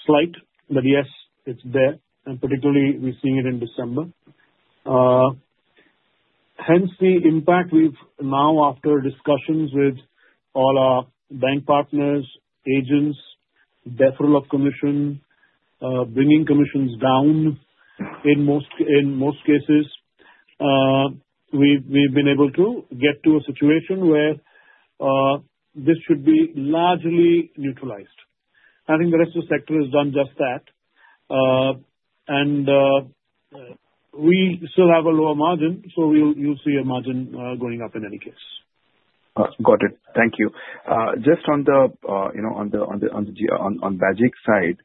Slight, but yes, it's there, and particularly, we're seeing it in December. Hence, the impact we've now after discussions with all our bank partners, agents, deferral of commission, bringing commissions down in most cases, we've been able to get to a situation where this should be largely neutralized. I think the rest of the sector has done just that, and we still have a lower margin, so you'll see a margin going up in any case. Got it. Thank you. Just on the BAGIC side,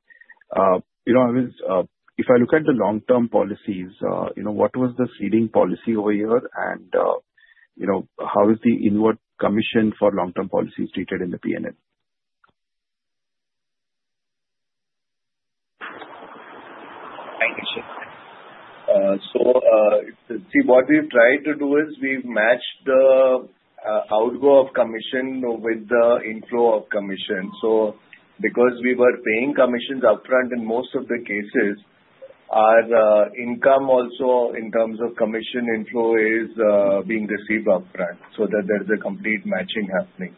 if I look at the long-term policies, what was the ceding policy over here, and how is the inward commission for long-term policies treated in the P&L? Thank you, sir. So see, what we've tried to do is we've matched the outgo of commission with the inflow of commission. So because we were paying commissions upfront in most of the cases, our income also in terms of commission inflow is being received upfront so that there's a complete matching happening.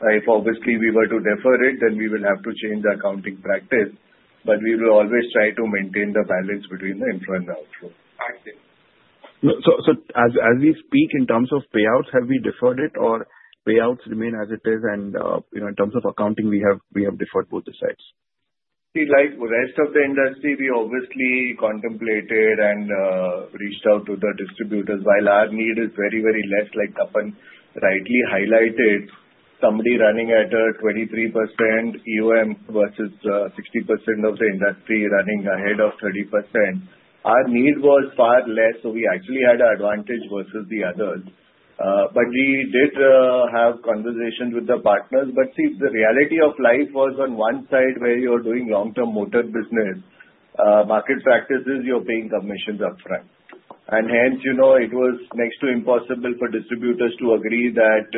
If obviously we were to defer it, then we will have to change the accounting practice, but we will always try to maintain the balance between the inflow and the outflow. So as we speak, in terms of payouts, have we deferred it, or payouts remain as it is, and in terms of accounting, we have deferred both the sides? See, like the rest of the industry, we obviously contemplated and reached out to the distributors, while our need is very, very less, like Tapan rightly highlighted, somebody running at a 23% EOM versus 60% of the industry running ahead of 30%. Our need was far less, so we actually had an advantage versus the others, but we did have conversations with the partners. See, the reality of life was on one side where you're doing long-term motor business, market practices, you're paying commissions upfront, and hence, it was next to impossible for distributors to agree that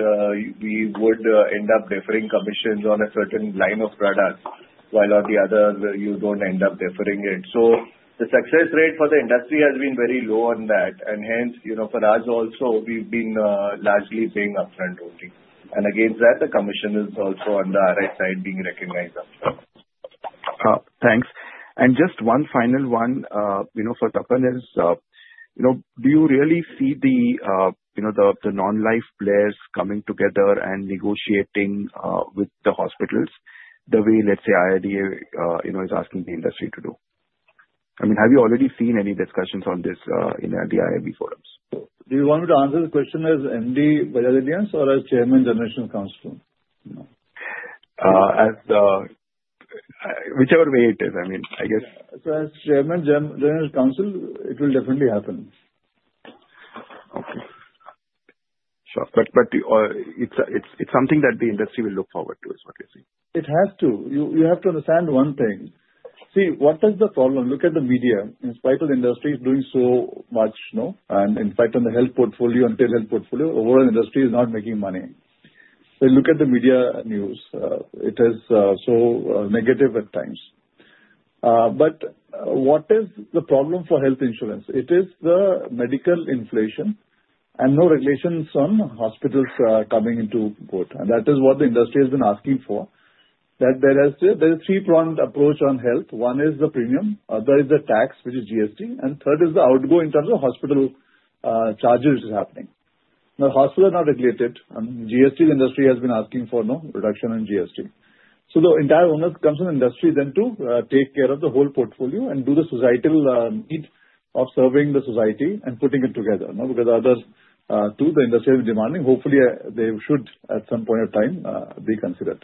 we would end up deferring commissions on a certain line of products while on the other, you don't end up deferring it, so the success rate for the industry has been very low on that, and hence, for us also, we've been largely paying upfront only. Against that, the commission is also on the RS side being recognized upfront. Thanks. And just one final one for Tapan is, do you really see the non-life players coming together and negotiating with the hospitals the way, let's say, IRDAI is asking the industry to do? I mean, have you already seen any discussions on this in the IIB forums? Do you want me to answer the question as MD, Bajaj Finserv, or as Chairman, General Insurance Council? Whichever way it is. I mean, I guess. So as Chairman, General Insurance Council, it will definitely happen. Okay. Sure. But it's something that the industry will look forward to, is what you're saying. It has to. You have to understand one thing. See, what is the problem? Look at the media. In spite of the industry doing so much and in spite of the health portfolio and telehealth portfolio, the overall industry is not making money. So look at the media news. It is so negative at times. But what is the problem for health insurance? It is the medical inflation and no regulations on hospitals coming into court. And that is what the industry has been asking for. There is a three-pronged approach on health. One is the premium. The other is the tax, which is GST. And the third is the outgo in terms of hospital charges which is happening. Now, hospitals are not regulated. GST, the industry has been asking for reduction in GST. So the entire onus comes on the industry then to take care of the whole portfolio and do the societal need of serving the society and putting it together because others too, the industry has been demanding. Hopefully, they should at some point of time be considered.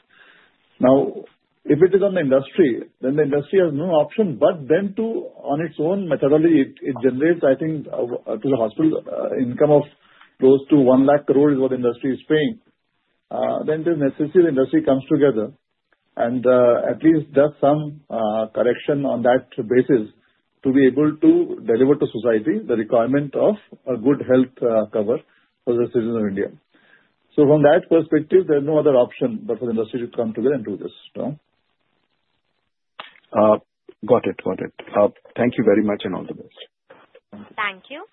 Now, if it is on the industry, then the industry has no option. But then too, on its own methodology, it generates, I think, to the hospital income of close to one lakh crore is what the industry is paying. Then it is necessary the industry comes together and at least does some correction on that basis to be able to deliver to society the requirement of a good health cover for the citizens of India. So from that perspective, there is no other option but for the industry to come together and do this. Got it. Got it. Thank you very much and all the best. Thank you.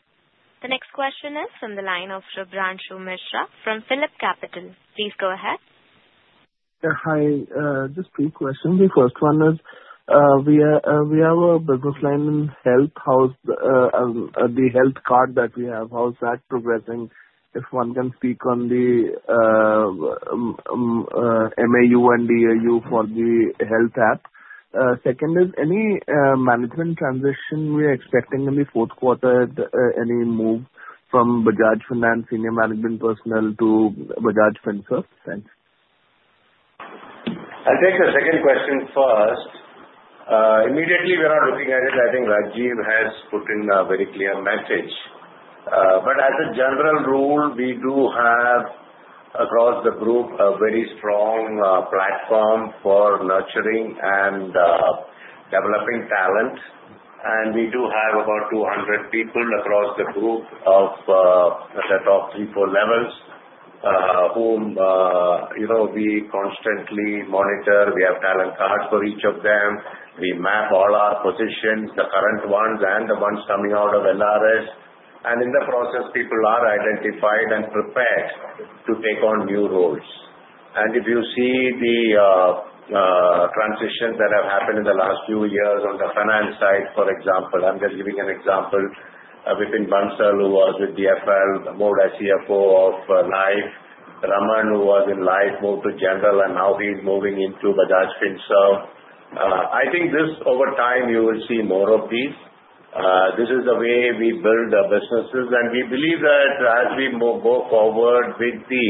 The next question is from the line of Shubhranshu Mishra from Phillip Capital. Please go ahead. Hi. Just two questions. The first one is we have a business line in health. The health card that we have, how is that progressing if one can speak on the MAU and DAU for the health app? Second is any management transition we are expecting in the Q4, any move from Bajaj Finance senior management personnel to Bajaj Finserv? Thanks. I'll take the second question first. Immediately, we are looking at it. I think Rajiv has put in a very clear message. But as a general rule, we do have across the group a very strong platform for nurturing and developing talent. And we do have about 200 people across the group of the top three, four levels whom we constantly monitor. We have talent cards for each of them. We map all our positions, the current ones and the ones coming out of NRS. And in the process, people are identified and prepared to take on new roles. And if you see the transitions that have happened in the last few years on the finance side, for example, I'm just giving an example. We have Vipin Bansal who was with the BFL, moved as CFO of Life. Ramandeep, who was in Life, moved to general, and now he's moving into Bajaj Finserv. I think this over time, you will see more of these. This is the way we build our businesses. We believe that as we go forward with the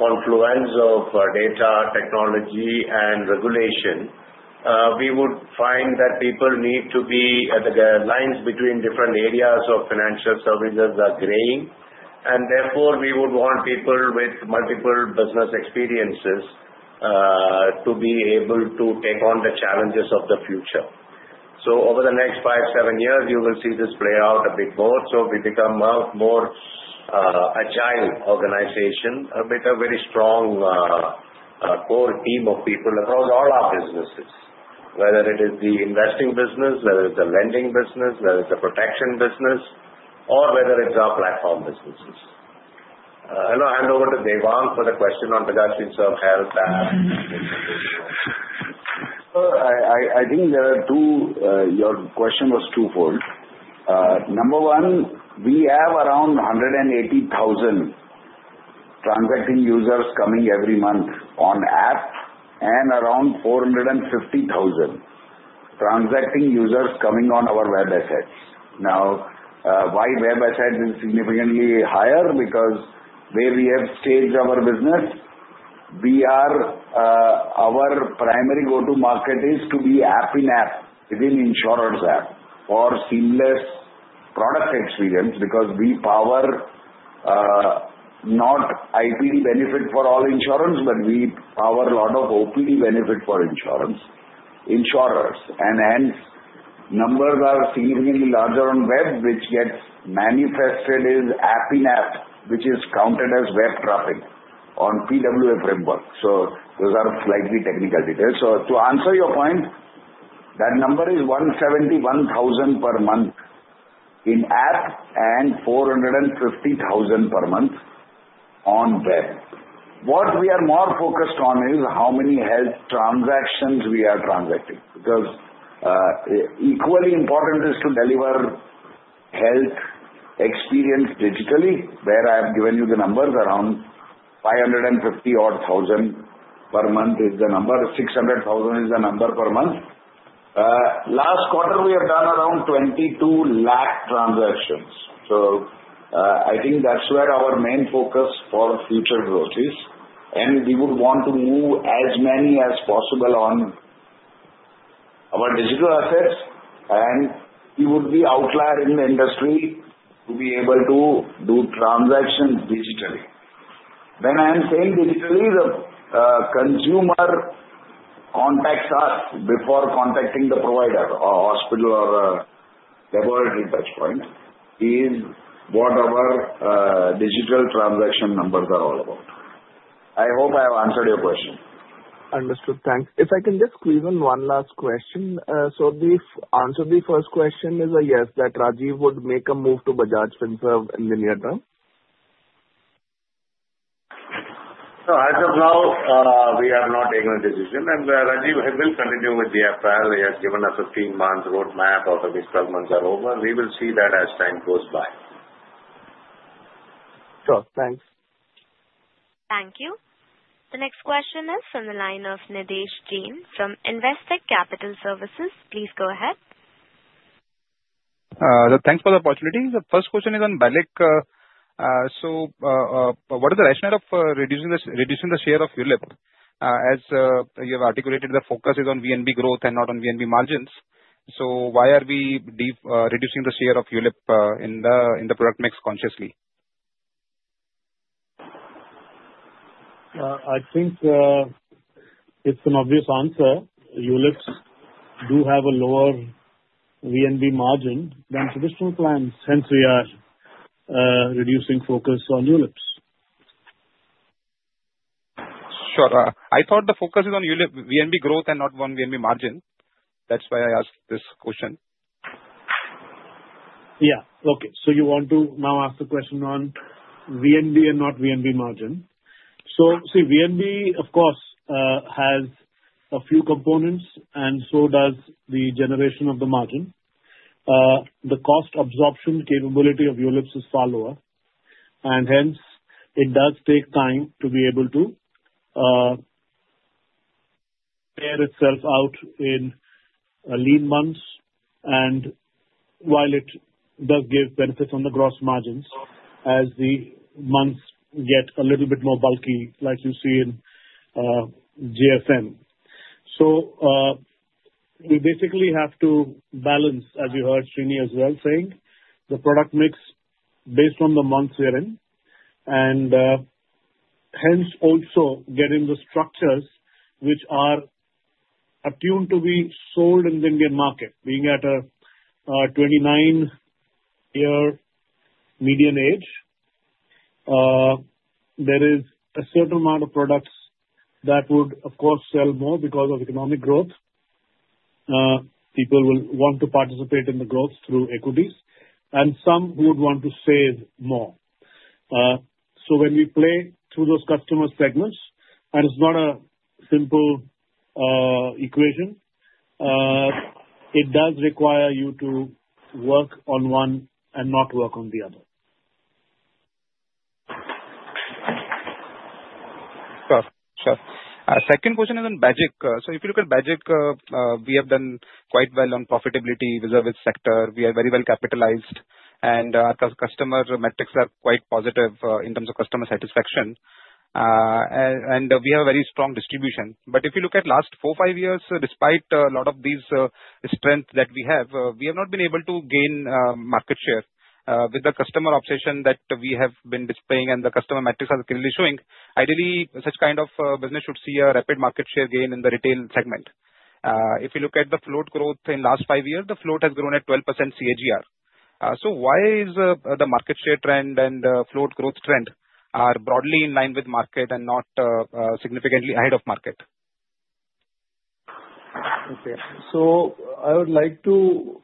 confluence of data, technology and regulation, we would find that people need to be at the lines between different areas of financial services are graying. Therefore, we would want people with multiple business experiences to be able to take on the challenges of the future. Over the next five, seven years, you will see this play out a bit more. We become more agile organization, with a very strong core team of people across all our businesses, whether it is the investing business, whether it's the lending business, whether it's the protection business, or whether it's our platform businesses. I'll now hand over to Devang for the question on Bajaj Finserv Health app. I think there are two. Your question was twofold. Number one, we have around 180,000 transacting users coming every month on app and around 450,000 transacting users coming on our web assets. Now, why web assets is significantly higher? Because where we have staged our business, our primary go-to market is to be app in app within insurers app or seamless product experience because we power not IPD benefit for all insurance, but we power a lot of OPD benefit for insurance insurers. And hence, numbers are significantly larger on web, which gets manifested as app in app, which is counted as web traffic on PWA framework. So those are slightly technical details. So to answer your point, that number is 171,000 per month in app and 450,000 per month on web. What we are more focused on is how many health transactions we are transacting, because equally important is to deliver health experience digitally, where I have given you the numbers around 550 or 1,000 per month is the number. 600,000 is the number per month. Last quarter, we have done around 22 lakh transactions. So I think that's where our main focus for future growth is. And we would want to move as many as possible on our digital assets. And we would be outlier in the industry to be able to do transactions digitally. When I am saying digitally, the consumer contacts us before contacting the provider or hospital or laboratory touchpoint is what our digital transaction numbers are all about. I hope I have answered your question. Understood. Thanks. If I can just squeeze in one last question. So the answer to the first question is a yes, that Rajiv would make a move to Bajaj Finserv in the near term. So as of now, we have not taken a decision. And Rajiv will continue with the FL. He has given us a three-month roadmap. All of these 12 months are over. We will see that as time goes by. Sure. Thanks. Thank you. The next question is from the line of Nidhesh Jain from Investec Capital Services. Please go ahead. Thanks for the opportunity. The first question is on BALIC. So what is the rationale of reducing the share of ULIP? As you have articulated, the focus is on VNB growth and not on VNB margins. So why are we reducing the share of ULIP in the product mix consciously? I think it's an obvious answer. Health does have a lower VNB margin than traditional clients, hence we are reducing focus on health. Sure. I thought the focus is on VNB growth and not on VNB margin. That's why I asked this question. Yeah. Okay. So you want to now ask the question on VNB and not VNB margin? So see, VNB, of course, has a few components, and so does the generation of the margin. The cost absorption capability of ULIP is far lower. And hence, it does take time to be able to pay itself out in lean months. And while it does give benefits on the gross margins as the months get a little bit more bulky, like you see in JFM. So we basically have to balance, as you heard Srini as well saying, the product mix based on the months we're in, and hence also get in the structures which are attuned to be sold in the Indian market. Being at a 29-year median age, there is a certain amount of products that would, of course, sell more because of economic growth. People will want to participate in the growth through equities, and some would want to save more. So when we play through those customer segments, and it's not a simple equation, it does require you to work on one and not work on the other. Sure. Sure. Second question is on Bajaj. So if you look at Bajaj, we have done quite well on profitability within the sector. We are very well capitalized, and our customer metrics are quite positive in terms of customer satisfaction. And we have a very strong distribution. But if you look at the last four, five years, despite a lot of these strengths that we have, we have not been able to gain market share. With the customer obsession that we have been displaying and the customer metrics are clearly showing, ideally, such kind of business should see a rapid market share gain in the retail segment. If you look at the float growth in the last five years, the float has grown at 12% CAGR. So why is the market share trend and float growth trend broadly in line with market and not significantly ahead of market? Okay. So I would like to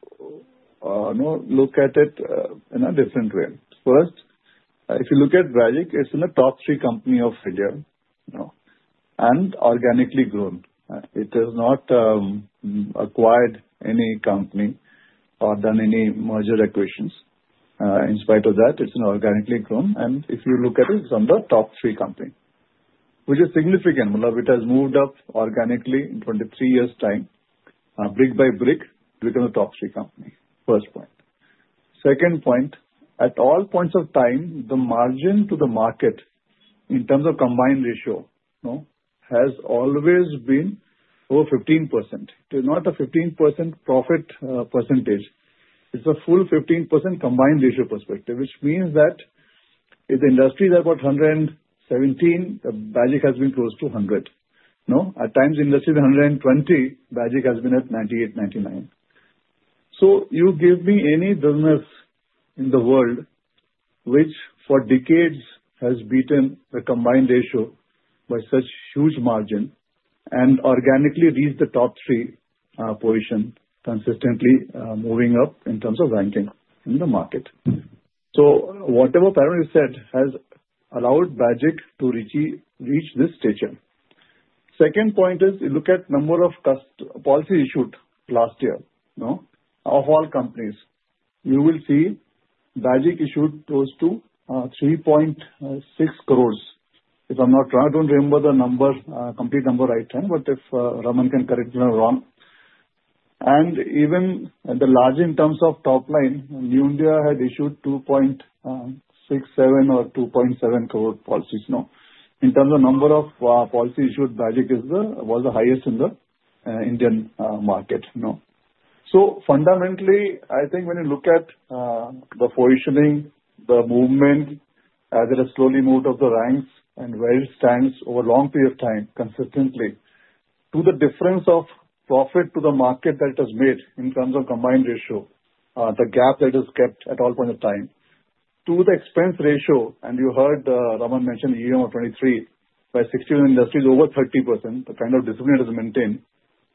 look at it in a different way. First, if you look at BAGIC, it's in the top three companies of India and organically grown. It has not acquired any company or done any merger acquisitions. In spite of that, it's an organically grown. And if you look at it, it's on the top three companies, which is significant. It has moved up organically in 23 years' time, brick by brick, to become a top three company. First point. Second point, at all points of time, the margin to the market in terms of combined ratio has always been over 15%. It is not a 15% profit percentage. It's a full 15% combined ratio perspective, which means that in the industry, there are about 117. Bajaj has been close to 100. At times, in the industry, 120. Bajaj has been at 98, 99. So you give me any business in the world which for decades has beaten the combined ratio by such huge margin and organically reached the top three position, consistently moving up in terms of ranking in the market. So whatever parameter you said has allowed Bajaj to reach this position. Second point is you look at the number of policies issued last year of all companies. You will see Bajaj issued close to 3.6 crores. If I'm not wrong, I don't remember the complete number right now, but if Ramandeep can correct me if wrong. And even the larger in terms of top line, New India had issued 2.67 or 2.7 crore policies. In terms of the number of policies issued, Bajaj was the highest in the Indian market. So fundamentally, I think when you look at the positioning, the movement, as it has slowly moved up the ranks and where it stands over a long period of time consistently, to the difference of profit to the market that it has made in terms of combined ratio, the gap that it has kept at all points of time, to the expense ratio, and you heard Raman mention EOM of 23% vs 61% industry over 30%, the kind of discipline it has maintained,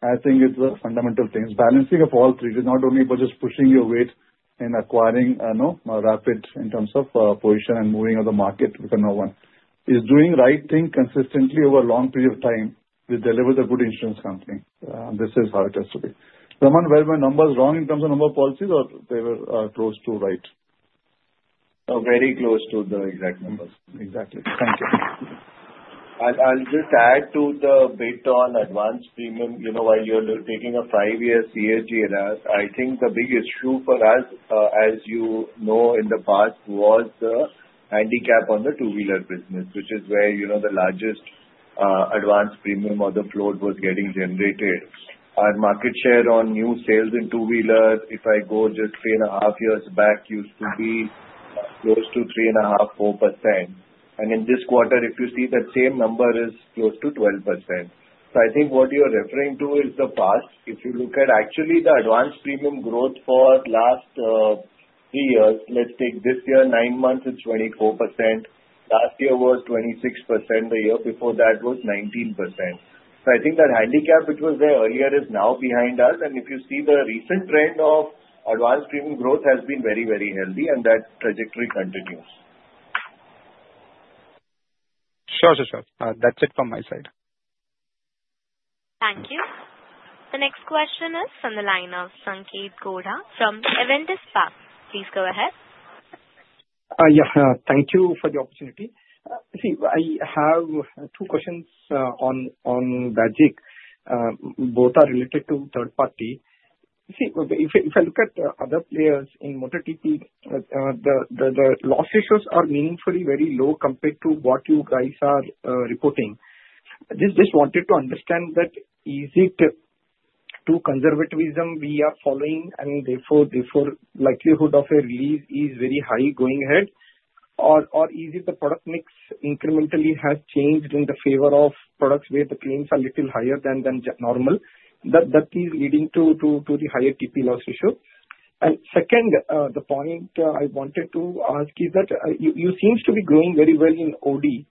I think it's a fundamental thing. It's balancing of all three to not only just pushing your weight and acquiring rapid in terms of position and moving of the market with another one. It's doing the right thing consistently over a long period of time with delivery of the good insurance company. This is how it has to be. Raman, were my numbers wrong in terms of number of policies, or they were close to right? Very close to the exact numbers. Exactly. Thank you. I'll just add to the bit on advance premium. While you're taking a five-year CAGR, I think the big issue for us, as you know, in the past was the handicap on the two-wheeler business, which is where the largest advance premium or the float was getting generated. Our market share on new sales in two-wheelers, if I go just three and a half years back, used to be close to 3.5-4%, and in this quarter, if you see that same number is close to 12%. So I think what you're referring to is the past. If you look at actually the advance premium growth for the last three years, let's take this year, nine months, it's 24%. Last year was 26%. The year before that was 19%. So I think that handicap which was there earlier is now behind us. If you see the recent trend of advance premium growth has been very, very healthy, and that trajectory continues. Sure, sure, sure. That's it from my side. Thank you. The next question is from the line of Sanketh Godha from Avendus Spark. Please go ahead. Yeah. Thank you for the opportunity. See, I have two questions on BAGIC. Both are related to third party. See, if I look at other players in Motor TP, the loss ratios are meaningfully very low compared to what you guys are reporting. Just wanted to understand that is it too conservatism we are following, and therefore the likelihood of a release is very high going ahead? Or is it the product mix incrementally has changed in the favor of products where the claims are a little higher than normal? That is leading to the higher TP loss ratio. And second, the point I wanted to ask is that you seem to be growing very well in OD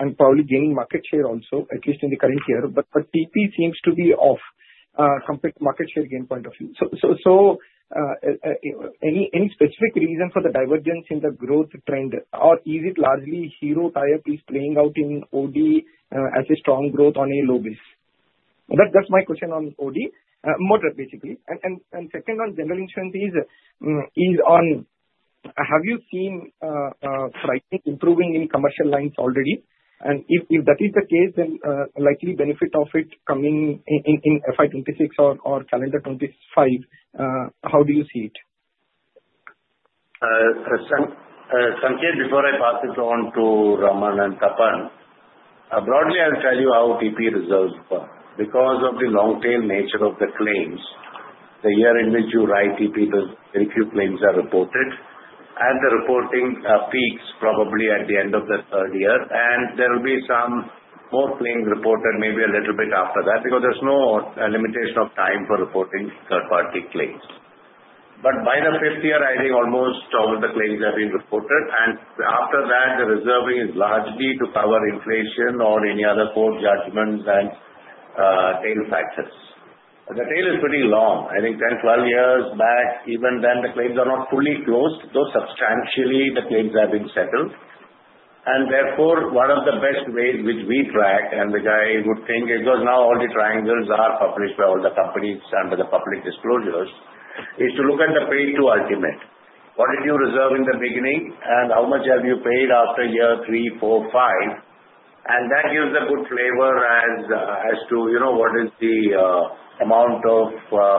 and probably gaining market share also, at least in the current year, but TP seems to be off compared to market share gain point of view. Any specific reason for the divergence in the growth trend? Or is it largely Hero tie-up is playing out in OD as a strong growth on a low base? That's my question on OD, Motor, basically. And second on general insurance is on, have you seen trends improving in commercial lines already? And if that is the case, then likely benefit of it coming in FY2026 or calendar 2025, how do you see it? Sanketh, before I pass it on to Ramandeep and Tapan, broadly, I'll tell you how TP reserves because of the long-tail nature of the claims. The year in which you write TP, very few claims are reported, and the reporting peaks probably at the end of the third year, and there will be some more claims reported maybe a little bit after that because there's no limitation of time for reporting third-party claims, but by the fifth year, I think almost all of the claims have been reported, and after that, the reserving is largely to cover inflation or any other court judgments and tail factors. The tail is pretty long. I think 10, 12 years back, even then, the claims are not fully closed, though substantially the claims have been settled. And therefore, one of the best ways which we track and which I would think because now all the triangles are published by all the companies under the public disclosures, is to look at the pay-to-ultimate. What did you reserve in the beginning, and how much have you paid after year three, four, five? And that gives a good flavor as to what is the amount of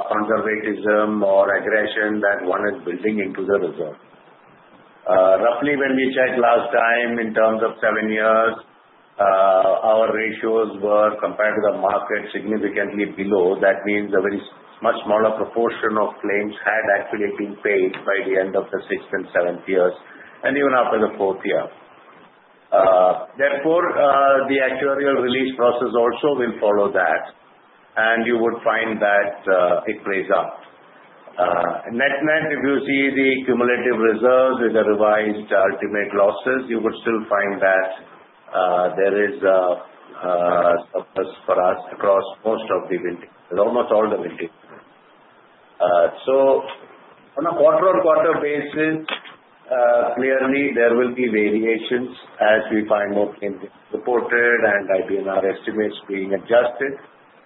conservatism or aggression that one is building into the reserve. Roughly, when we checked last time in terms of seven years, our ratios were compared to the market significantly below. That means a much smaller proportion of claims had actually been paid by the end of the sixth and seventh years, and even after the fourth year. Therefore, the actuarial release process also will follow that. And you would find that it plays out. Net-net, if you see the cumulative reserves with the revised ultimate losses, you would still find that there is a surplus for us across most of the vintages, almost all the vintages. So on a quarter-on-quarter basis, clearly, there will be variations as we find more claims reported and IBNR estimates being adjusted.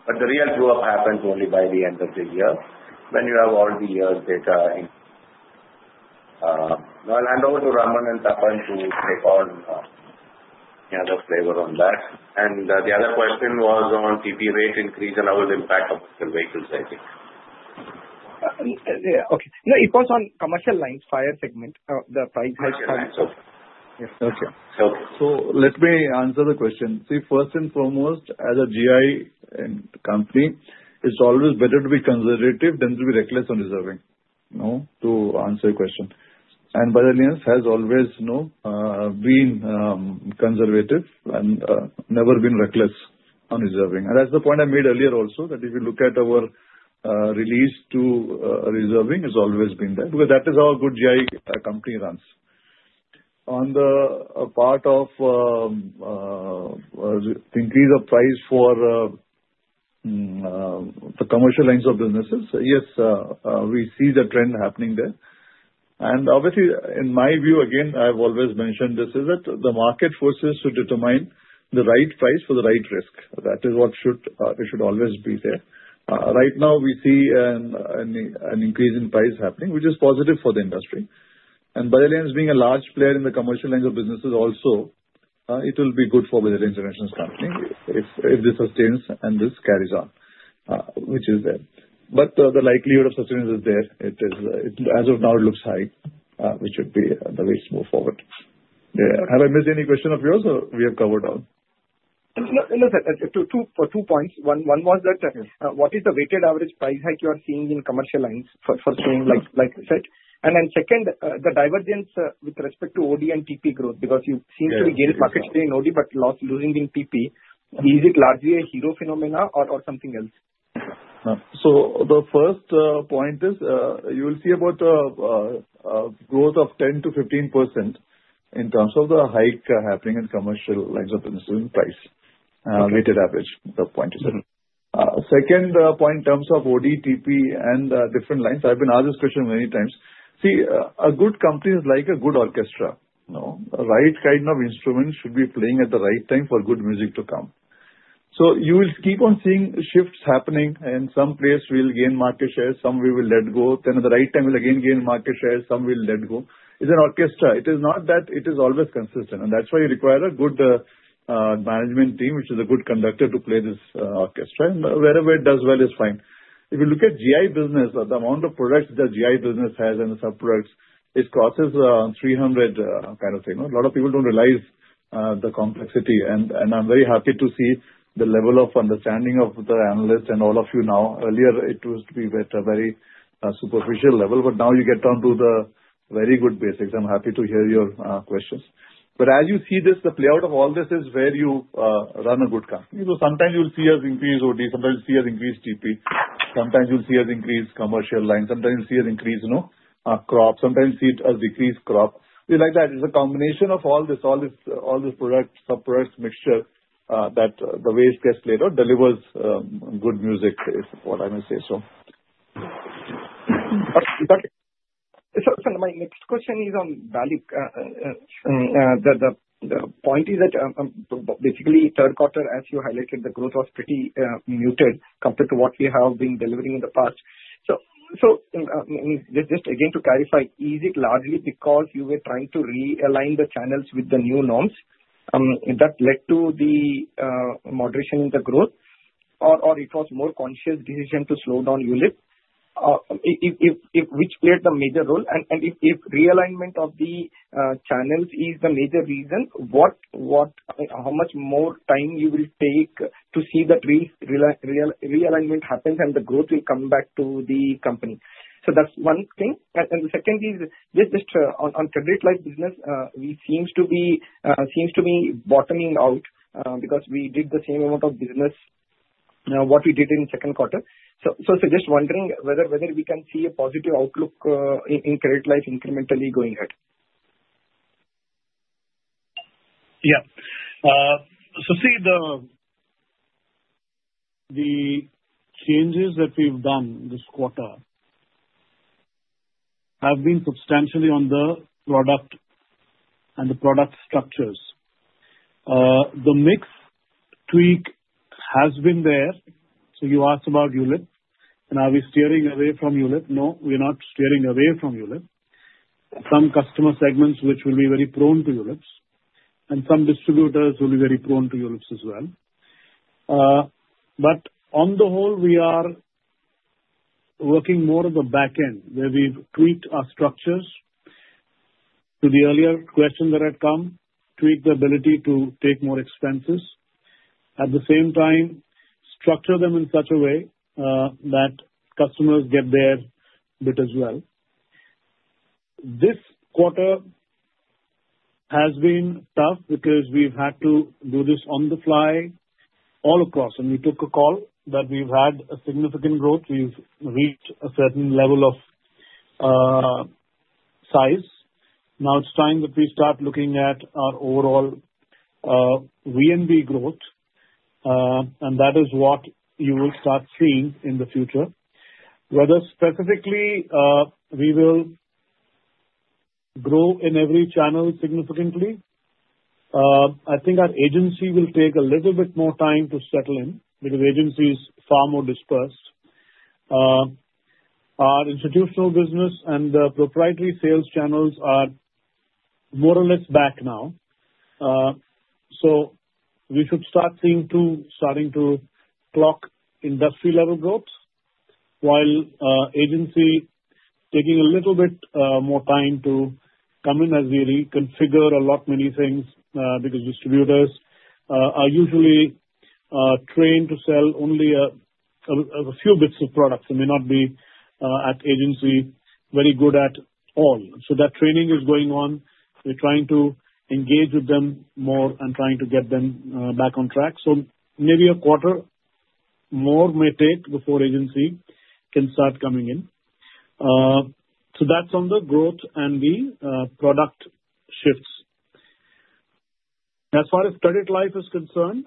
But the real growth happens only by the end of the year when you have all the years' data. I'll hand over to Ramandeep and Tapan to take on the other flavor on that. And the other question was on TP rate increase and how it will impact commercial vehicles, I think. Okay. It falls on commercial lines, fire segment. The price has come. Okay. So let me answer the question. See, first and foremost, as a GI company, it's always better to be conservative than to be reckless on reserving, to answer your question. And Bajaj has always been conservative and never been reckless on reserving. And that's the point I made earlier also that if you look at our reserve releases, it's always been there because that is how a good GI company runs. On the part of increase of price for the commercial lines of businesses, yes, we see the trend happening there. And obviously, in my view, again, I've always mentioned this is that the market forces to determine the right price for the right risk. That is what should always be there. Right now, we see an increase in price happening, which is positive for the industry. By the lens being a large player in the commercial lines of businesses also, it will be good for the international company if this sustains and this carries on, which is there. But the likelihood of sustaining is there. As of now, it looks high, which should be the way to move forward. Have I missed any question of yours, or we have covered all? No, no, no. For two points. One was that what is the weighted average price hike you are seeing in commercial lines for FY24, like you said? And then second, the divergence with respect to OD and TP growth because you seem to be gaining market share in OD but losing in TP. Is it largely a Hero phenomenon or something else? So the first point is you will see about a growth of 10%-15% in terms of the hike happening in commercial lines of businesses in price, weighted average, the point you said. Second point in terms of OD, TP, and different lines, I've been asked this question many times. See, a good company is like a good orchestra. The right kind of instruments should be playing at the right time for good music to come, so you will keep on seeing shifts happening, and some players will gain market share, some we will let go, then at the right time, we'll again gain market share, some we'll let go. It's an orchestra. It is not that it is always consistent, and that's why you require a good management team, which is a good conductor to play this orchestra, and wherever it does well is fine. If you look at GI business, the amount of products that GI business has and the subproducts, it crosses 300 kind of thing. A lot of people don't realize the complexity, and I'm very happy to see the level of understanding of the analysts and all of you now. Earlier, it used to be at a very superficial level, but now you get down to the very good basics. I'm happy to hear your questions, but as you see this, the playout of all this is where you run a good company, so sometimes you'll see us increase OD. Sometimes you'll see us increase TP. Sometimes you'll see us increase commercial lines. Sometimes you'll see us increase crop. Sometimes you'll see us decrease crop. It's like that. It's a combination of all this, all these products, subproducts, mixture that the way it gets played out delivers good music, is what I may say, so. Sorry, my next question is on value. The point is that basically third quarter, as you highlighted, the growth was pretty muted compared to what we have been delivering in the past. So just again to clarify, is it largely because you were trying to realign the channels with the new norms? That led to the moderation in the growth, or it was a more conscious decision to slow down ULIP, which played the major role? And if realignment of the channels is the major reason, how much more time you will take to see that realignment happens and the growth will come back to the company? So that's one thing. And the second is just on credit life business, which seems to be bottoming out because we did the same amount of business what we did in second quarter. Just wondering whether we can see a positive outlook in credit life incrementally going ahead? Yeah. So see, the changes that we've done this quarter have been substantially on the product and the product structures. The mix tweak has been there. So you asked about ULIP. And are we steering away from ULIP? No, we're not steering away from ULIP. Some customer segments which will be very prone to ULIPs. And some distributors will be very prone to ULIPs as well. But on the whole, we are working more on the back end where we tweak our structures to the earlier questions that had come, tweak the ability to take more expenses, at the same time, structure them in such a way that customers get their bit as well. This quarter has been tough because we've had to do this on the fly all across. And we took a call that we've had a significant growth. We've reached a certain level of size. Now it's time that we start looking at our overall VNB growth, and that is what you will start seeing in the future. Whether specifically we will grow in every channel significantly, I think our agency will take a little bit more time to settle in because agencies are far more dispersed. Our institutional business and the proprietary sales channels are more or less back now, so we should start seeing them starting to clock industry-level growth while agency taking a little bit more time to come in as we reconfigure a lot many things because distributors are usually trained to sell only a few bits of product. They may not be very good at agency at all, so that training is going on. We're trying to engage with them more and trying to get them back on track. So maybe a quarter more may take before agency can start coming in. So that's on the growth and the product shifts. As far as credit life is concerned,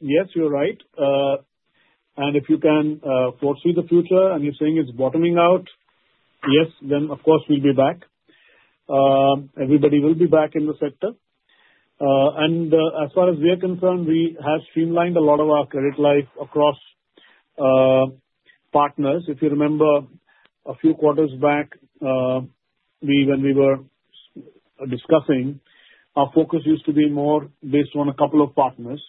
yes, you're right. And if you can foresee the future and you're saying it's bottoming out, yes, then of course we'll be back. Everybody will be back in the sector. And as far as we are concerned, we have streamlined a lot of our credit life across partners. If you remember a few quarters back, when we were discussing, our focus used to be more based on a couple of partners.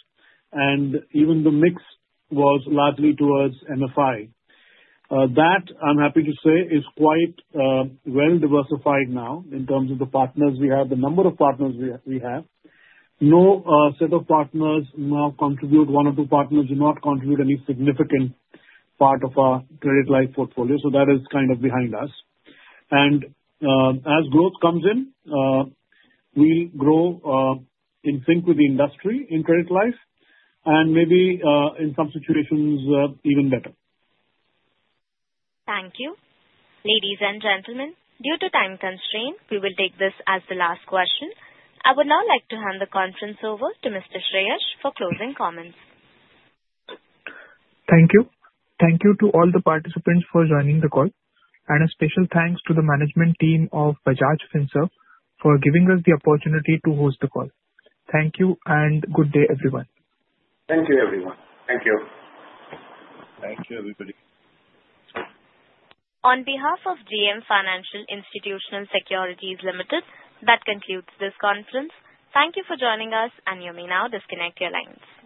And even the mix was largely towards MFI. That, I'm happy to say, is quite well diversified now in terms of the partners we have, the number of partners we have. No set of partners now contribute. One or two partners do not contribute any significant part of our credit life portfolio, so that is kind of behind us, and as growth comes in, we'll grow in sync with the industry in credit life and maybe in some situations even better. Thank you. Ladies and gentlemen, due to time constraint, we will take this as the last question. I would now like to hand the conference over to Mr. S. Sreenivasan for closing comments. Thank you. Thank you to all the participants for joining the call. And a special thanks to the management team of Bajaj Finserv for giving us the opportunity to host the call. Thank you and good day, everyone. Thank you, everyone. Thank you. Thank you, everybody. On behalf of JM Financial Institutional Securities Limited, that concludes this conference. Thank you for joining us, and you may now disconnect your lines.